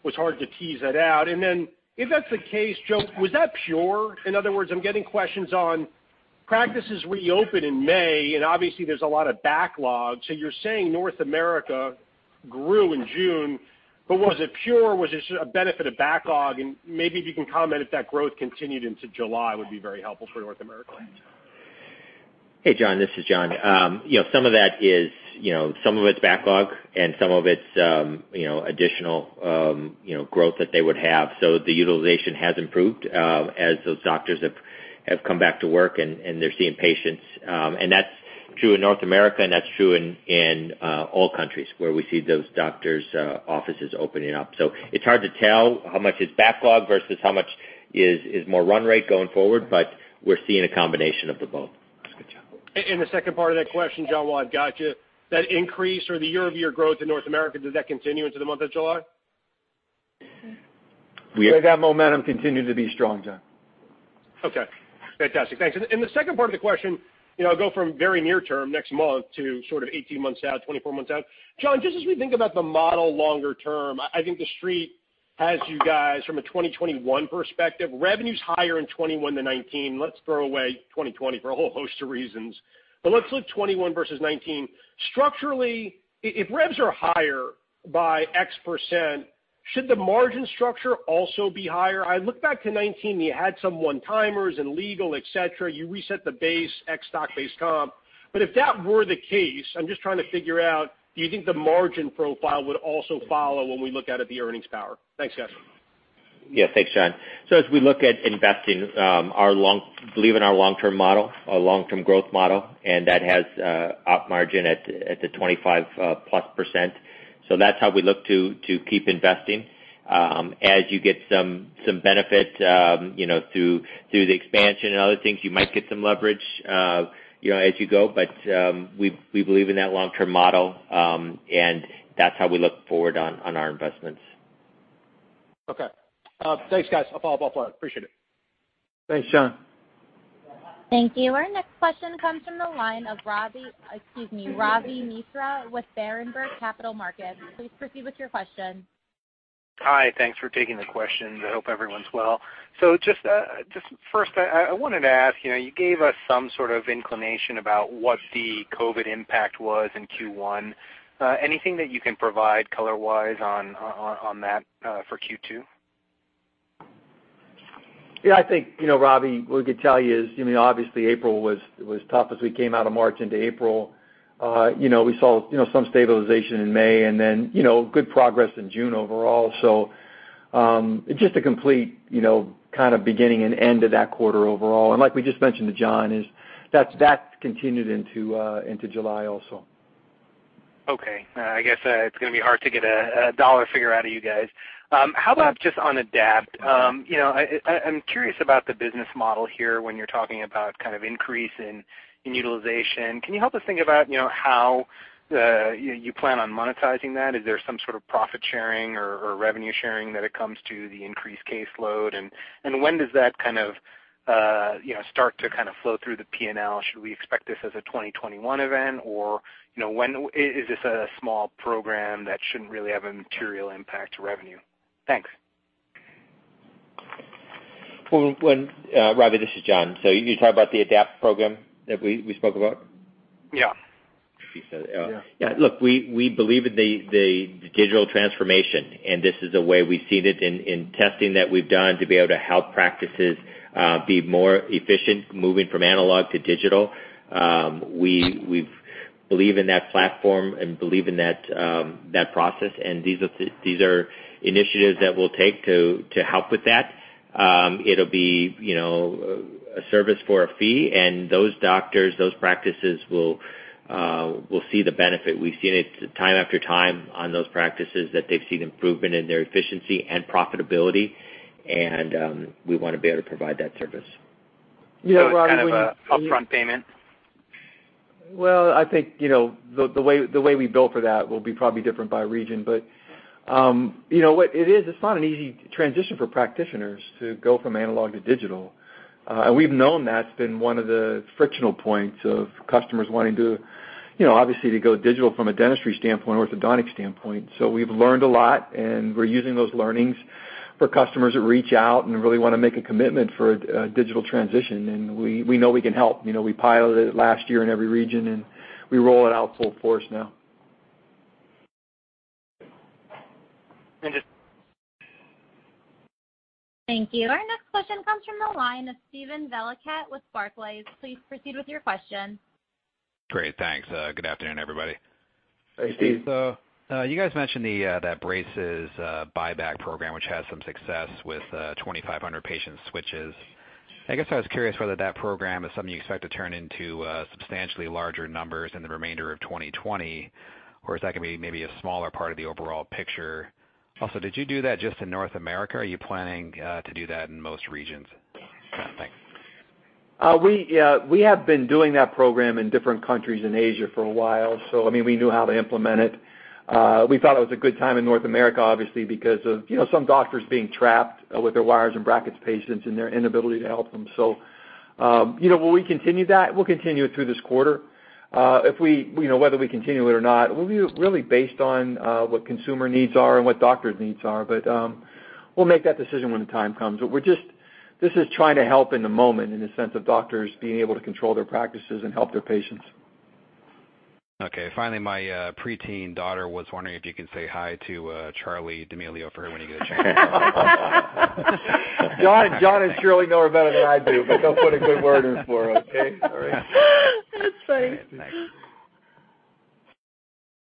was hard to tease that out. If that's the case, Joe, was that pure? In other words, I'm getting questions on practices reopen in May, and obviously there's a lot of backlog. You're saying North America grew in June, but was it pure? Was it a benefit of backlog? Maybe if you can comment if that growth continued into July, would be very helpful for North America. Hey, John, this is John. Some of it's backlog and some of it's additional growth that they would have. The utilization has improved, as those doctors have come back to work and they're seeing patients. That's true in North America, and that's true in all countries where we see those doctors' offices opening up. It's hard to tell how much is backlog versus how much is more run rate going forward, but we're seeing a combination of the both. That's good, John. The second part of that question, John, while I've got you, that increase or the year-over-year growth in North America, does that continue into the month of July? We are. That momentum continued to be strong, John. Okay. Fantastic. Thanks. The second part of the question, go from very near term next month to sort of 18 months out, 24 months out. John, just as we think about the model longer term, I think the Street has you guys from a 2021 perspective, revenues higher in 2021 than 2019. Let's throw away 2020 for a whole host of reasons. Let's look 2021 versus 2019. Structurally, if revs are higher by X%, should the margin structure also be higher? I look back to 2019, you had some one-timers in legal, et cetera. You reset the base, ex stock-based comp. If that were the case, I'm just trying to figure out, do you think the margin profile would also follow when we look out at the earnings power? Thanks, guys. Yeah, thanks, John. As we look at investing, believe in our long-term model, our long-term growth model, and that has op margin at the 25-plus%. That's how we look to keep investing. As you get some benefit through the expansion and other things, you might get some leverage as you go. We believe in that long-term model, and that's how we look forward on our investments. Okay. Thanks, guys. I'll follow up later. Appreciate it. Thanks, Jon. Thank you. Our next question comes from the line of Ravi Misra with Berenberg Capital Markets. Please proceed with your question. Hi. Thanks for taking the questions. I hope everyone's well. Just first, I wanted to ask, you gave us some sort of inclination about what the COVID-19 impact was in Q1. Anything that you can provide color-wise on that for Q2? Yeah, I think, Ravi, what we could tell you is, obviously April was tough as we came out of March into April. We saw some stabilization in May and then good progress in June overall. Just a complete kind of beginning and end of that quarter overall. Like we just mentioned to John, is that's continued into July also. Okay. I guess it's going to be hard to get a dollar figure out of you guys. How about just on ADAPT? I'm curious about the business model here when you're talking about increase in utilization. Can you help us think about how you plan on monetizing that? Is there some sort of profit sharing or revenue sharing when it comes to the increased caseload? When does that kind of start to flow through the P&L? Should we expect this as a 2021 event? Is this a small program that shouldn't really have a material impact to revenue? Thanks. Ravi, this is John. You talk about the ADAPT program that we spoke about? Yeah. Yeah, look, we believe in the digital transformation, and this is a way we've seen it in testing that we've done to be able to help practices be more efficient, moving from analog to digital. We believe in that platform and believe in that process, and these are initiatives that we'll take to help with that. It'll be a service for a fee, and those doctors, those practices will see the benefit. We've seen it time after time on those practices that they've seen improvement in their efficiency and profitability, and we want to be able to provide that service. Yeah, Ravi. Is it kind of an upfront payment? Well, I think, the way we bill for that will be probably different by region. It's not an easy transition for practitioners to go from analog to digital. We've known that's been one of the frictional points of customers wanting to obviously to go digital from a dentistry standpoint, orthodontic standpoint. We've learned a lot, and we're using those learnings for customers that reach out and really want to make a commitment for a digital transition. We know we can help. We piloted it last year in every region, and we roll it out full force now. just Thank you. Our next question comes from the line of Steven Valiquette with Barclays. Please proceed with your question. Great. Thanks. Good afternoon, everybody. Hey, Steve. You guys mentioned that braces buyback program, which has some success with 2,500 patient switches. I guess I was curious whether that program is something you expect to turn into substantially larger numbers in the remainder of 2020, or is that going to be maybe a smaller part of the overall picture? Also, did you do that just in North America, or are you planning to do that in most regions kind of thing? We have been doing that program in different countries in Asia for a while, so we knew how to implement it. We thought it was a good time in North America, obviously, because of some doctors being trapped with their wires and brackets patients and their inability to help them. Will we continue that? We'll continue it through this quarter. Whether we continue it or not, will be really based on what consumer needs are and what doctors' needs are. We'll make that decision when the time comes. This is trying to help in the moment in the sense of doctors being able to control their practices and help their patients. Okay. Finally, my preteen daughter was wondering if you could say hi to Charli D'Amelio for her when you get a chance. John and Shirley know her better than I do, but I'll put a good word in for her. Okay? All right. That's funny.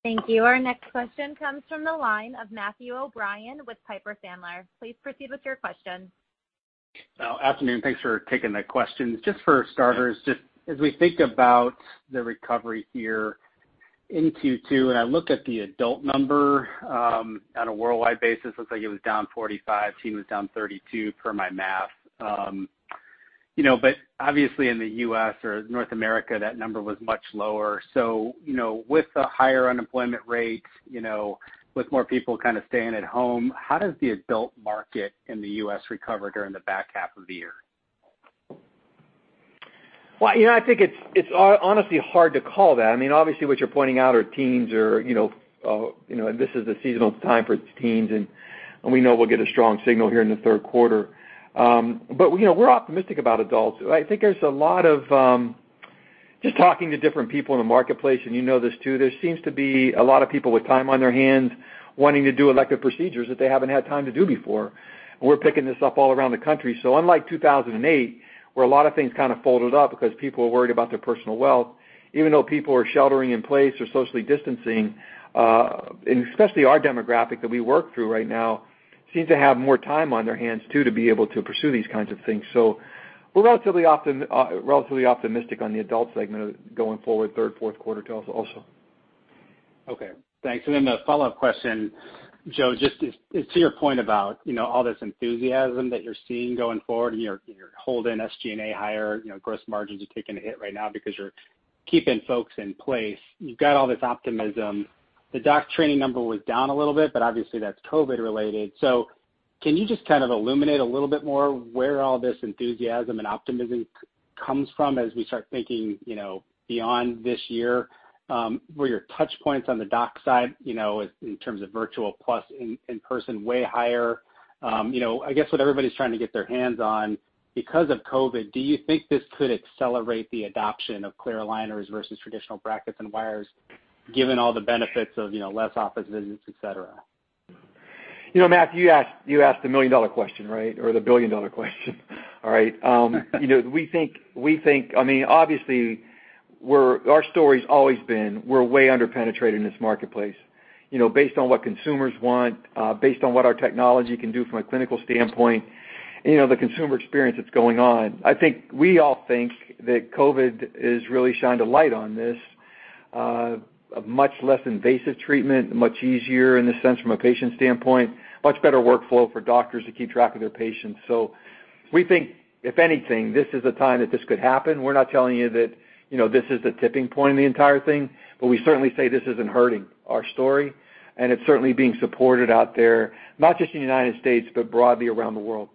Thank you. Our next question comes from the line of Matthew O'Brien with Piper Sandler. Please proceed with your question. Well, afternoon. Thanks for taking the questions. Just for starters, just as we think about the recovery here in Q2, I look at the adult number on a worldwide basis, looks like it was down 45%, teen was down 32% per my math. Obviously in the U.S. or North America, that number was much lower. With the higher unemployment rates, with more people kind of staying at home, how does the adult market in the U.S. recover during the back half of the year? I think it's honestly hard to call that. Obviously, what you're pointing out are teens are, and this is the seasonal time for teens, and we know we'll get a strong signal here in the third quarter. We're optimistic about adults. I think there's a lot of talking to different people in the marketplace, and you know this, too. There seems to be a lot of people with time on their hands wanting to do elective procedures that they haven't had time to do before, and we're picking this up all around the country. Unlike 2008, where a lot of things kind of folded up because people were worried about their personal wealth, even though people are sheltering in place or socially distancing, and especially our demographic that we work through right now, seems to have more time on their hands, too, to be able to pursue these kinds of things. We're relatively optimistic on the adult segment going forward, third, fourth quarter tell us also. Okay, thanks. A follow-up question, Joe, just to your point about all this enthusiasm that you're seeing going forward, you're holding SG&A higher. Gross margins are taking a hit right now because you're keeping folks in place. You've got all this optimism. The doc training number was down a little bit, but obviously, that's COVID-19 related. Can you just kind of illuminate a little bit more where all this enthusiasm and optimism comes from as we start thinking beyond this year? Were your touch points on the doc side, in terms of virtual plus in person, way higher? I guess what everybody's trying to get their hands on, because of COVID-19, do you think this could accelerate the adoption of clear aligners versus traditional brackets and wires, given all the benefits of less office visits, et cetera? Matthew, you asked the million-dollar question, right? The billion-dollar question. All right. Obviously, our story's always been, we're way under-penetrated in this marketplace. Based on what consumers want, based on what our technology can do from a clinical standpoint, and the consumer experience that's going on. I think we all think that COVID has really shined a light on this. A much less invasive treatment, much easier in the sense from a patient standpoint, much better workflow for doctors to keep track of their patients. We think, if anything, this is a time that this could happen. We're not telling you that this is the tipping point of the entire thing, but we certainly say this isn't hurting our story, and it's certainly being supported out there, not just in the U.S., but broadly around the world.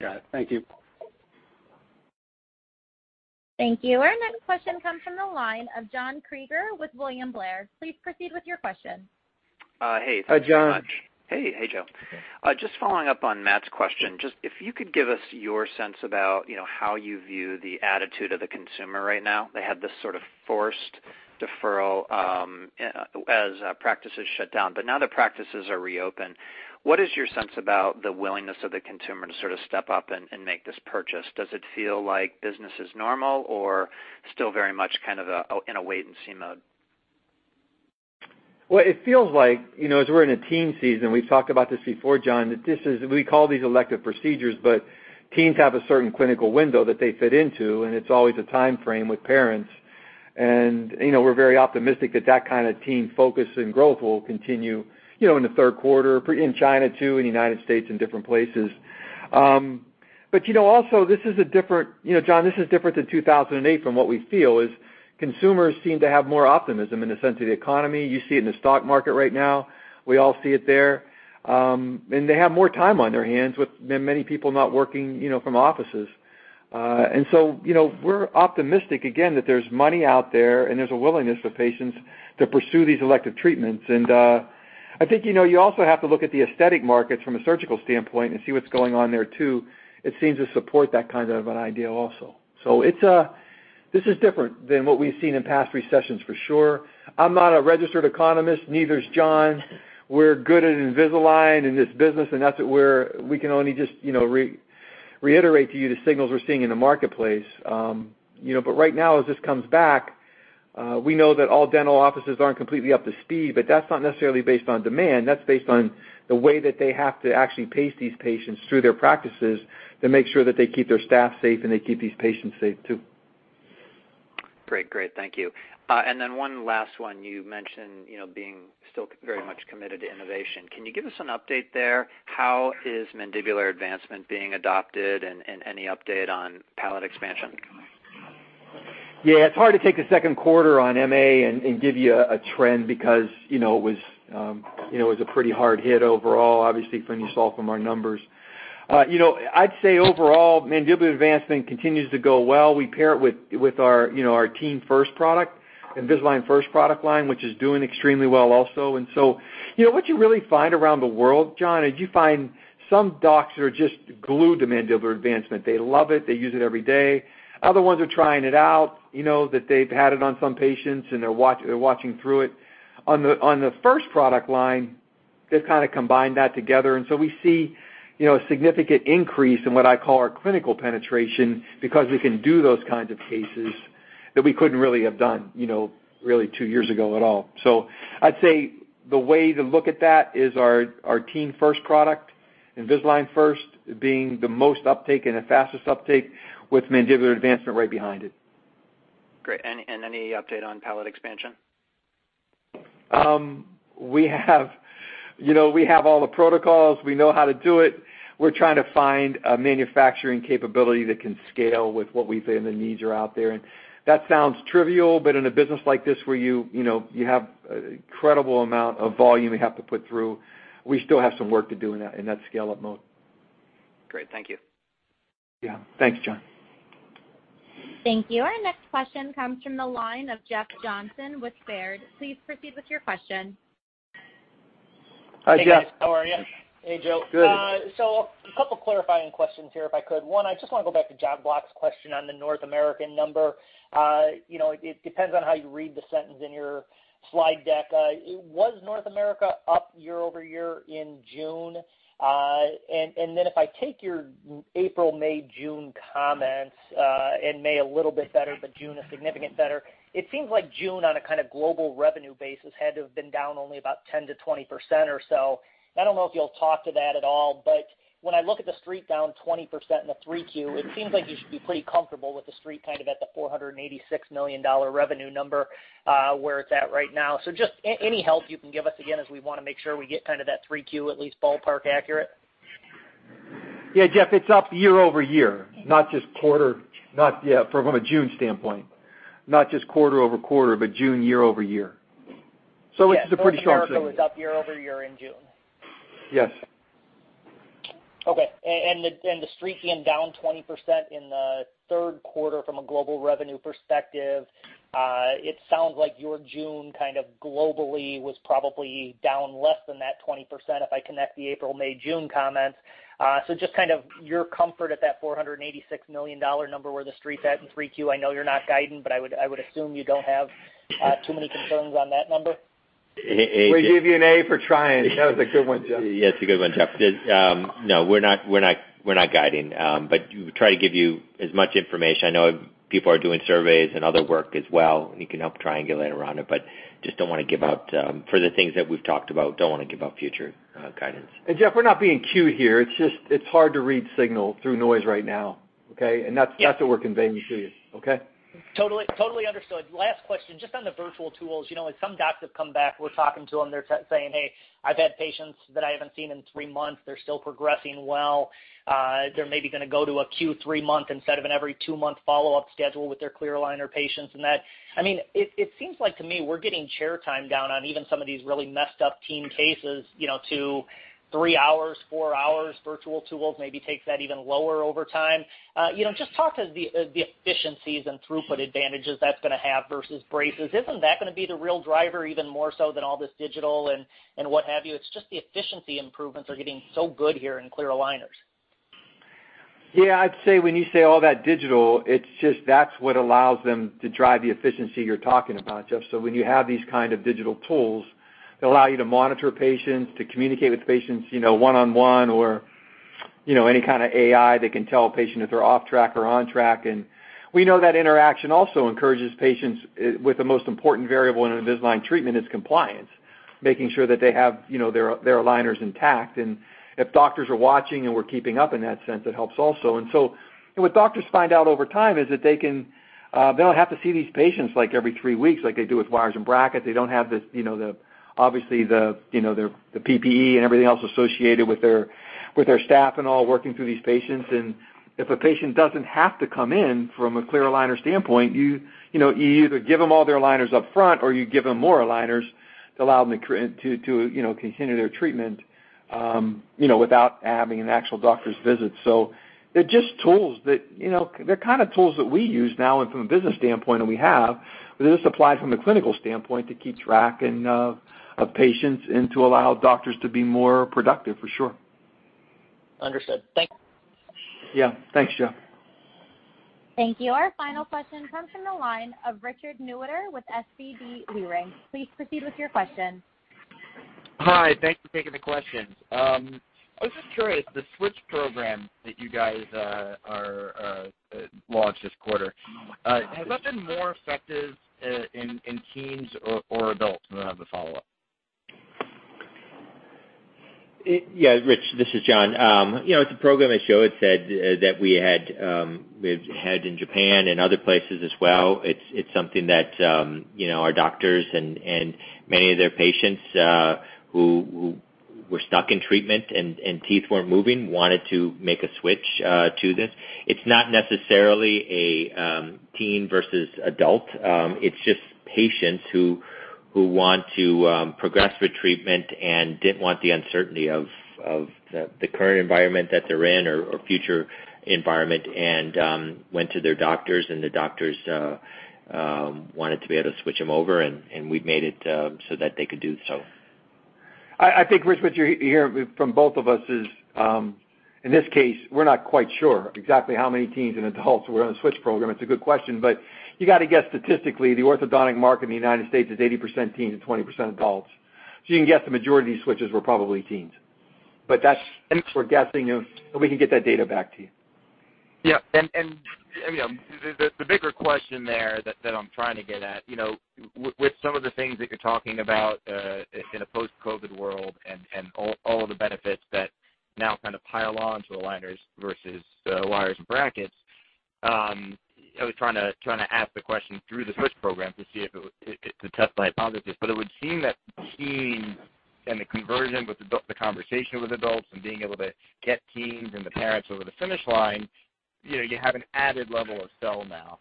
Got it. Thank you. Thank you. Our next question comes from the line of John Kreger with William Blair. Please proceed with your question. Hey. Thanks very much. Hi, John. Hey, Joe. Just following up on Matt's question, just if you could give us your sense about how you view the attitude of the consumer right now. They had this sort of forced deferral as practices shut down. Now that practices are reopened, what is your sense about the willingness of the consumer to sort of step up and make this purchase? Does it feel like business as normal, or still very much kind of in a wait-and-see mode? Well, it feels like, as we're in a teen season, we've talked about this before, John, that we call these elective procedures, but teens have a certain clinical window that they fit into, and it's always a time frame with parents. We're very optimistic that that kind of teen focus and growth will continue in the third quarter, in China too, in the United States and different places. Also, John, this is different than 2008 from what we feel is, consumers seem to have more optimism in the sense of the economy. You see it in the stock market right now. We all see it there. They have more time on their hands with many people not working from offices. We're optimistic again, that there's money out there and there's a willingness of patients to pursue these elective treatments. I think you also have to look at the aesthetic markets from a surgical standpoint and see what's going on there, too. It seems to support that kind of an idea also. This is different than what we've seen in past recessions, for sure. I'm not a registered economist, neither is John. We're good at Invisalign and this business, and that's where we can only just reiterate to you the signals we're seeing in the marketplace. Right now, as this comes back. We know that all dental offices aren't completely up to speed, but that's not necessarily based on demand. That's based on the way that they have to actually pace these patients through their practices to make sure that they keep their staff safe and they keep these patients safe, too. Great. Thank you. One last one. You mentioned being still very much committed to innovation. Can you give us an update there? How is mandibular advancement being adopted, and any update on palate expansion? Yeah. It's hard to take the second quarter on MA and give you a trend because it was a pretty hard hit overall, obviously, from you saw from our numbers. I'd say overall, mandibular advancement continues to go well. We pair it with our Invisalign First product line, which is doing extremely well also. What you really find around the world, John, is you find some docs are just glued to mandibular advancement. They love it. They use it every day. Other ones are trying it out, that they've had it on some patients, and they're watching through it. On the First product line, they've kind of combined that together, we see a significant increase in what I call our clinical penetration because we can do those kinds of cases that we couldn't really have done, really two years ago at all. I'd say the way to look at that is our Invisalign First product, Invisalign First being the most uptake and the fastest uptake, with mandibular advancement right behind it. Great. Any update on palate expansion? We have all the protocols. We know how to do it. We're trying to find a manufacturing capability that can scale with what we say the needs are out there. That sounds trivial, but in a business like this, where you have an incredible amount of volume you have to put through, we still have some work to do in that scale-up mode. Great. Thank you. Yeah. Thanks, John. Thank you. Our next question comes from the line of Jeff Johnson with Baird. Please proceed with your question. Hi, Jeff. Hey, guys. How are you? Hey, Joe. Good. A couple clarifying questions here, if I could. One, I just want to go back to Jonathan Block's question on the North American number. It depends on how you read the sentence in your slide deck. Was North America up year-over-year in June? If I take your April, May, June comments, and May a little bit better, but June is significantly better, it seems like June on a kind of global revenue basis had to have been down only about 10%-20% or so. I don't know if you'll talk to that at all, but when I look at the Street down 20% in the 3Q, it seems like you should be pretty comfortable with the Street kind of at the $486 million revenue number, where it's at right now. Just any help you can give us, again, as we want to make sure we get kind of that 3Q at least ballpark accurate. Yeah, Jeff, it's up year-over-year, from a June standpoint, not just quarter-over-quarter, but June year-over-year. Yes. North America was up year-over-year in June. Yes. Okay. The Street being down 20% in the third quarter from a global revenue perspective, it sounds like your June kind of globally was probably down less than that 20%, if I connect the April, May, June comments. Just kind of your comfort at that $486 million number where the Street's at in 3Q. I know you're not guiding, but I would assume you don't have too many concerns on that number. We give you an A for trying. That was a good one, Jeff. Yeah, it's a good one, Jeff. No, we're not guiding, but try to give you as much information. I know people are doing surveys and other work as well, and you can help triangulate around it, but just don't want to give out, for the things that we've talked about, don't want to give out future guidance. Jeff, we're not being cute here. It's just hard to read signal through noise right now, okay? That's what we're conveying to you, okay? Totally understood. Last question, just on the virtual tools. As some docs have come back, we're talking to them, they're saying, "Hey, I've had patients that I haven't seen in three months. They're still progressing well. They're maybe going to go to a q3 month instead of an every two-month follow-up schedule with their clear aligner patients." That, it seems like to me, we're getting chair time down on even some of these really messed up teen cases, to three hours, four hours. Virtual tools maybe takes that even lower over time. Just talk to the efficiencies and throughput advantages that's going to have versus braces. Isn't that going to be the real driver even more so than all this digital and what have you? It's just the efficiency improvements are getting so good here in clear aligners. Yeah, I'd say when you say all that digital, it's just that's what allows them to drive the efficiency you're talking about, Jeff. When you have these kind of digital tools, they allow you to monitor patients, to communicate with patients one-on-one or any kind of AI that can tell a patient if they're off track or on track. We know that interaction also encourages patients with the most important variable in an Invisalign treatment is compliance, making sure that they have their aligners intact, and if doctors are watching and we're keeping up in that sense, it helps also. What doctors find out over time is that they don't have to see these patients like every three weeks like they do with wires and brackets. They don't have obviously, the PPE and everything else associated with their staff and all working through these patients. If a patient doesn't have to come in from a clear aligner standpoint, you either give them all their aligners up front, or you give them more aligners to allow them to continue their treatment without having an actual doctor's visit. They're just tools that we use now and from a business standpoint, and we have, but this applies from a clinical standpoint to keep track of patients and to allow doctors to be more productive, for sure. Understood. Thank you. Yeah. Thanks, Jeff. Thank you. Our final question comes from the line of Richard Newitter with SVB Leerink. Please proceed with your question. Hi. Thanks for taking the questions. I was just curious, the Switch program that you guys launched this quarter, has that been more effective in teens or adults? I have a follow-up. Yeah, Rich, this is John. It's a program, as Joe had said, that we've had in Japan and other places as well. It's something that our doctors and many of their patients, who were stuck in treatment and teeth weren't moving, wanted to make a switch to this. It's not necessarily a teen versus adult. It's just patients who want to progress with treatment and didn't want the uncertainty of the current environment that they're in or future environment, and went to their doctors, and the doctors wanted to be able to switch them over, and we've made it so that they could do so. I think, Rich, what you're hearing from both of us is, in this case, we're not quite sure exactly how many teens and adults were on the Switch program. It's a good question. You got to guess statistically, the orthodontic market in the U.S. is 80% teen and 20% adults. You can guess the majority of these Switches were probably teens. At least we're guessing, but we can get that data back to you. Yeah. The bigger question there that I'm trying to get at, with some of the things that you're talking about, in a post-COVID world and all of the benefits that now kind of pile on to aligners versus wires and brackets, I was trying to ask the question through the Switch program to see if to test my hypothesis. It would seem that teens and the conversion with the conversation with adults and being able to get teens and the parents over the finish line, you have an added level of sell now.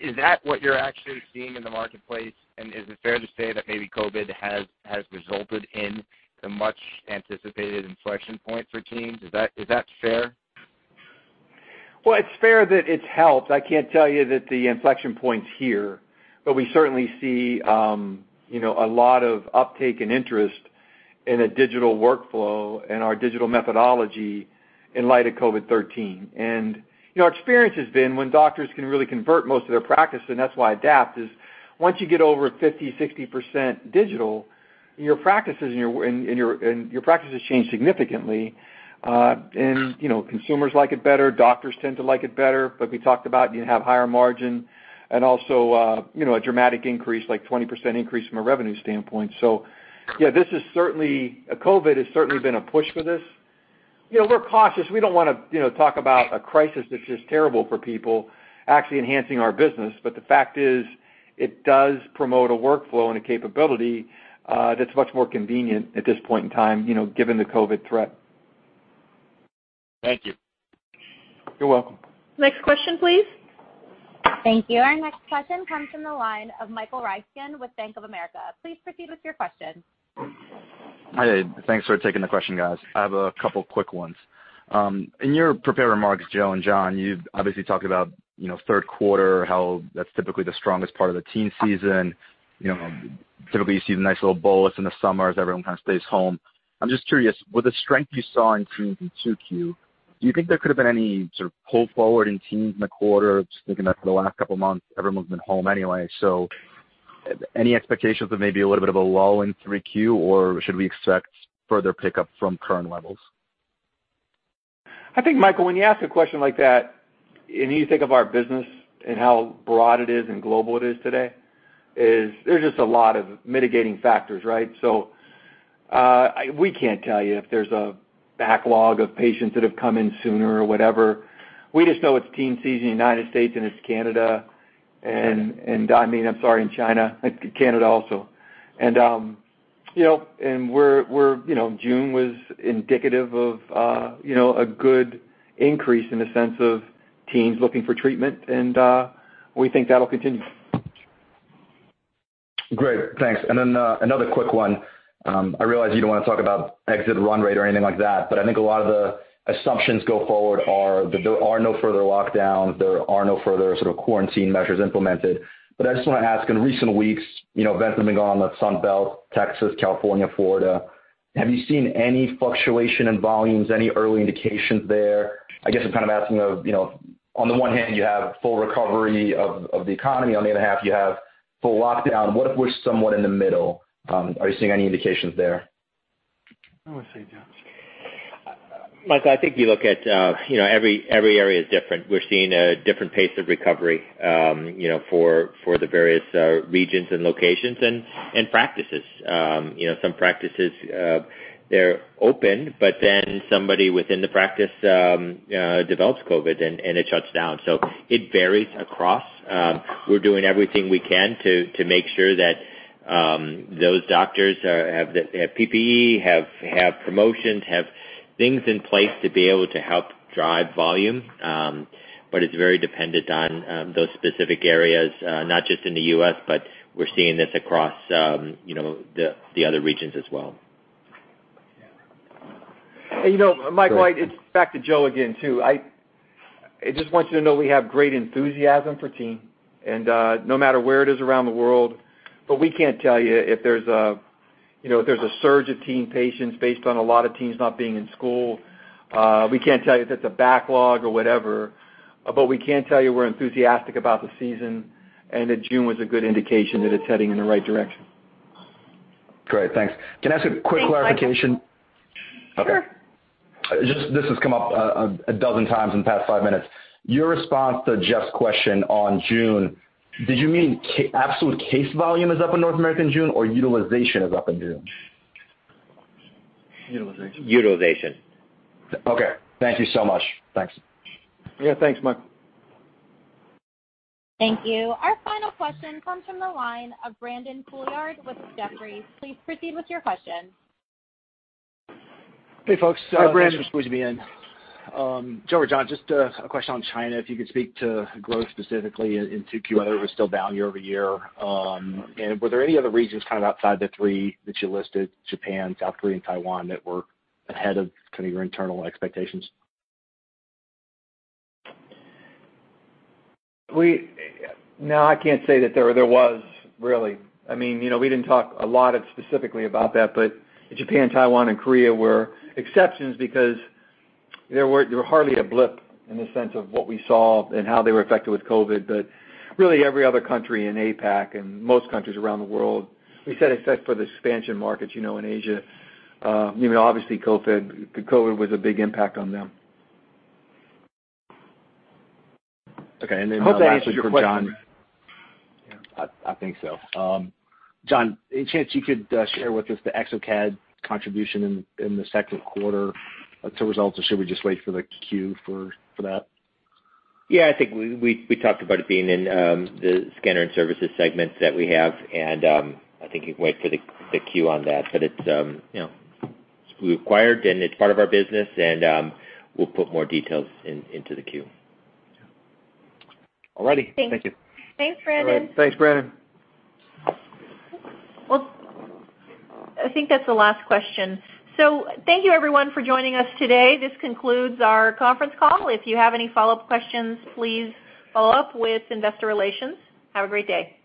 Is that what you're actually seeing in the marketplace? Is it fair to say that maybe COVID has resulted in the much anticipated inflection points for teens? Is that fair? Well, it's fair that it's helped. I can't tell you that the inflection point's here, but we certainly see a lot of uptake and interest in a digital workflow and our digital methodology in light of COVID-19. Our experience has been when doctors can really convert most of their practice, and that's why ADAPT is, once you get over 50%, 60% digital, and your practices change significantly. Consumers like it better. Doctors tend to like it better. Like we talked about, you have higher margin and also, a dramatic increase, like 20% increase from a revenue standpoint. Yeah, COVID has certainly been a push for this. We're cautious. We don't want to talk about a crisis that's just terrible for people actually enhancing our business. The fact is, it does promote a workflow and a capability, that's much more convenient at this point in time, given the COVID-19 threat. Thank you. You're welcome. Next question, please. Thank you. Our next question comes from the line of Michael Ryskin with Bank of America. Please proceed with your question. Hi. Thanks for taking the question, guys. I have a couple quick ones. In your prepared remarks, Joe and John, you obviously talked about third quarter, how that's typically the strongest part of the teen season. Typically, you see the nice little bolus in the summer as everyone kind of stays home. I'm just curious, with the strength you saw in teens in 2Q, do you think there could have been any sort of pull forward in teens in the quarter? Just thinking that for the last couple of months, everyone's been home anyway. Any expectations of maybe a little bit of a lull in 3Q, or should we expect further pickup from current levels? I think, Michael, when you ask a question like that, and you think of our business and how broad it is and global it is today, is there's just a lot of mitigating factors, right? We can't tell you if there's a backlog of patients that have come in sooner or whatever. We just know it's teen season in the U.S. and it's Canada and, I'm sorry, in China. Canada also. June was indicative of a good increase in the sense of teens looking for treatment and, we think that'll continue. Great. Thanks. Another quick one. I realize you don't want to talk about exit run rate or anything like that, but I think a lot of the assumptions go forward are that there are no further lockdowns, there are no further sort of quarantine measures implemented. I just want to ask, in recent weeks, events have been going on in the Sun Belt, Texas, California, Florida. Have you seen any fluctuation in volumes, any early indications there? I guess I'm kind of asking, on the one hand, you have full recovery of the economy, on the other hand, you have full lockdown. What if we're somewhat in the middle? Are you seeing any indications there? What do you say, John? Michael, I think you look at every area is different. We're seeing a different pace of recovery for the various regions and locations and practices. Some practices, they're open, but then somebody within the practice develops COVID and it shuts down. It varies across. We're doing everything we can to make sure that those doctors have PPE, have promotions, have things in place to be able to help drive volume. It's very dependent on those specific areas, not just in the U.S., but we're seeing this across the other regions as well. Michael, it's back to Joe again, too. I just want you to know we have great enthusiasm for teen and, no matter where it is around the world. We can't tell you if there's a surge of teen patients based on a lot of teens not being in school. We can't tell you if it's a backlog or whatever. We can tell you we're enthusiastic about the season, and that June was a good indication that it's heading in the right direction. Great. Thanks. Can I ask a quick clarification? Sure. This has come up a dozen times in the past five minutes. Your response to Jeff's question on June, did you mean absolute case volume is up in North America in June, or utilization is up in June? Utilization. Utilization. Okay. Thank you so much. Thanks. Yeah, thanks, Mike. Thank you. Our final question comes from the line of Brandon Couillard with Jefferies. Please proceed with your question. Hey, folks. Hi, Brandon. Thanks for squeezing me in. John, just a question on China, if you could speak to growth specifically into Q2. It was still down year-over-year. Were there any other regions kind of outside the three that you listed, Japan, South Korea, and Taiwan, that were ahead of kind of your internal expectations? No, I can't say that there was really. We didn't talk a lot specifically about that, but Japan, Taiwan, and Korea were exceptions because they were hardly a blip in the sense of what we saw and how they were affected with COVID. Really every other country in APAC and most countries around the world, we said except for the expansion markets in Asia. Obviously, COVID was a big impact on them. Okay. Lastly for John- Hope that answers your question. I think so. John, any chance you could share with us the exocad contribution in the second quarter to results, or should we just wait for the Q for that? Yeah, I think we talked about it being in the scanner and services segments that we have. I think you can wait for the Q on that. It's acquired, and it's part of our business, and we'll put more details into the Q. All right. Thank you. Thanks, Brandon. All right. Thanks, Brandon. Well, I think that's the last question. Thank you everyone for joining us today. This concludes our conference call. If you have any follow-up questions, please follow up with investor relations. Have a great day.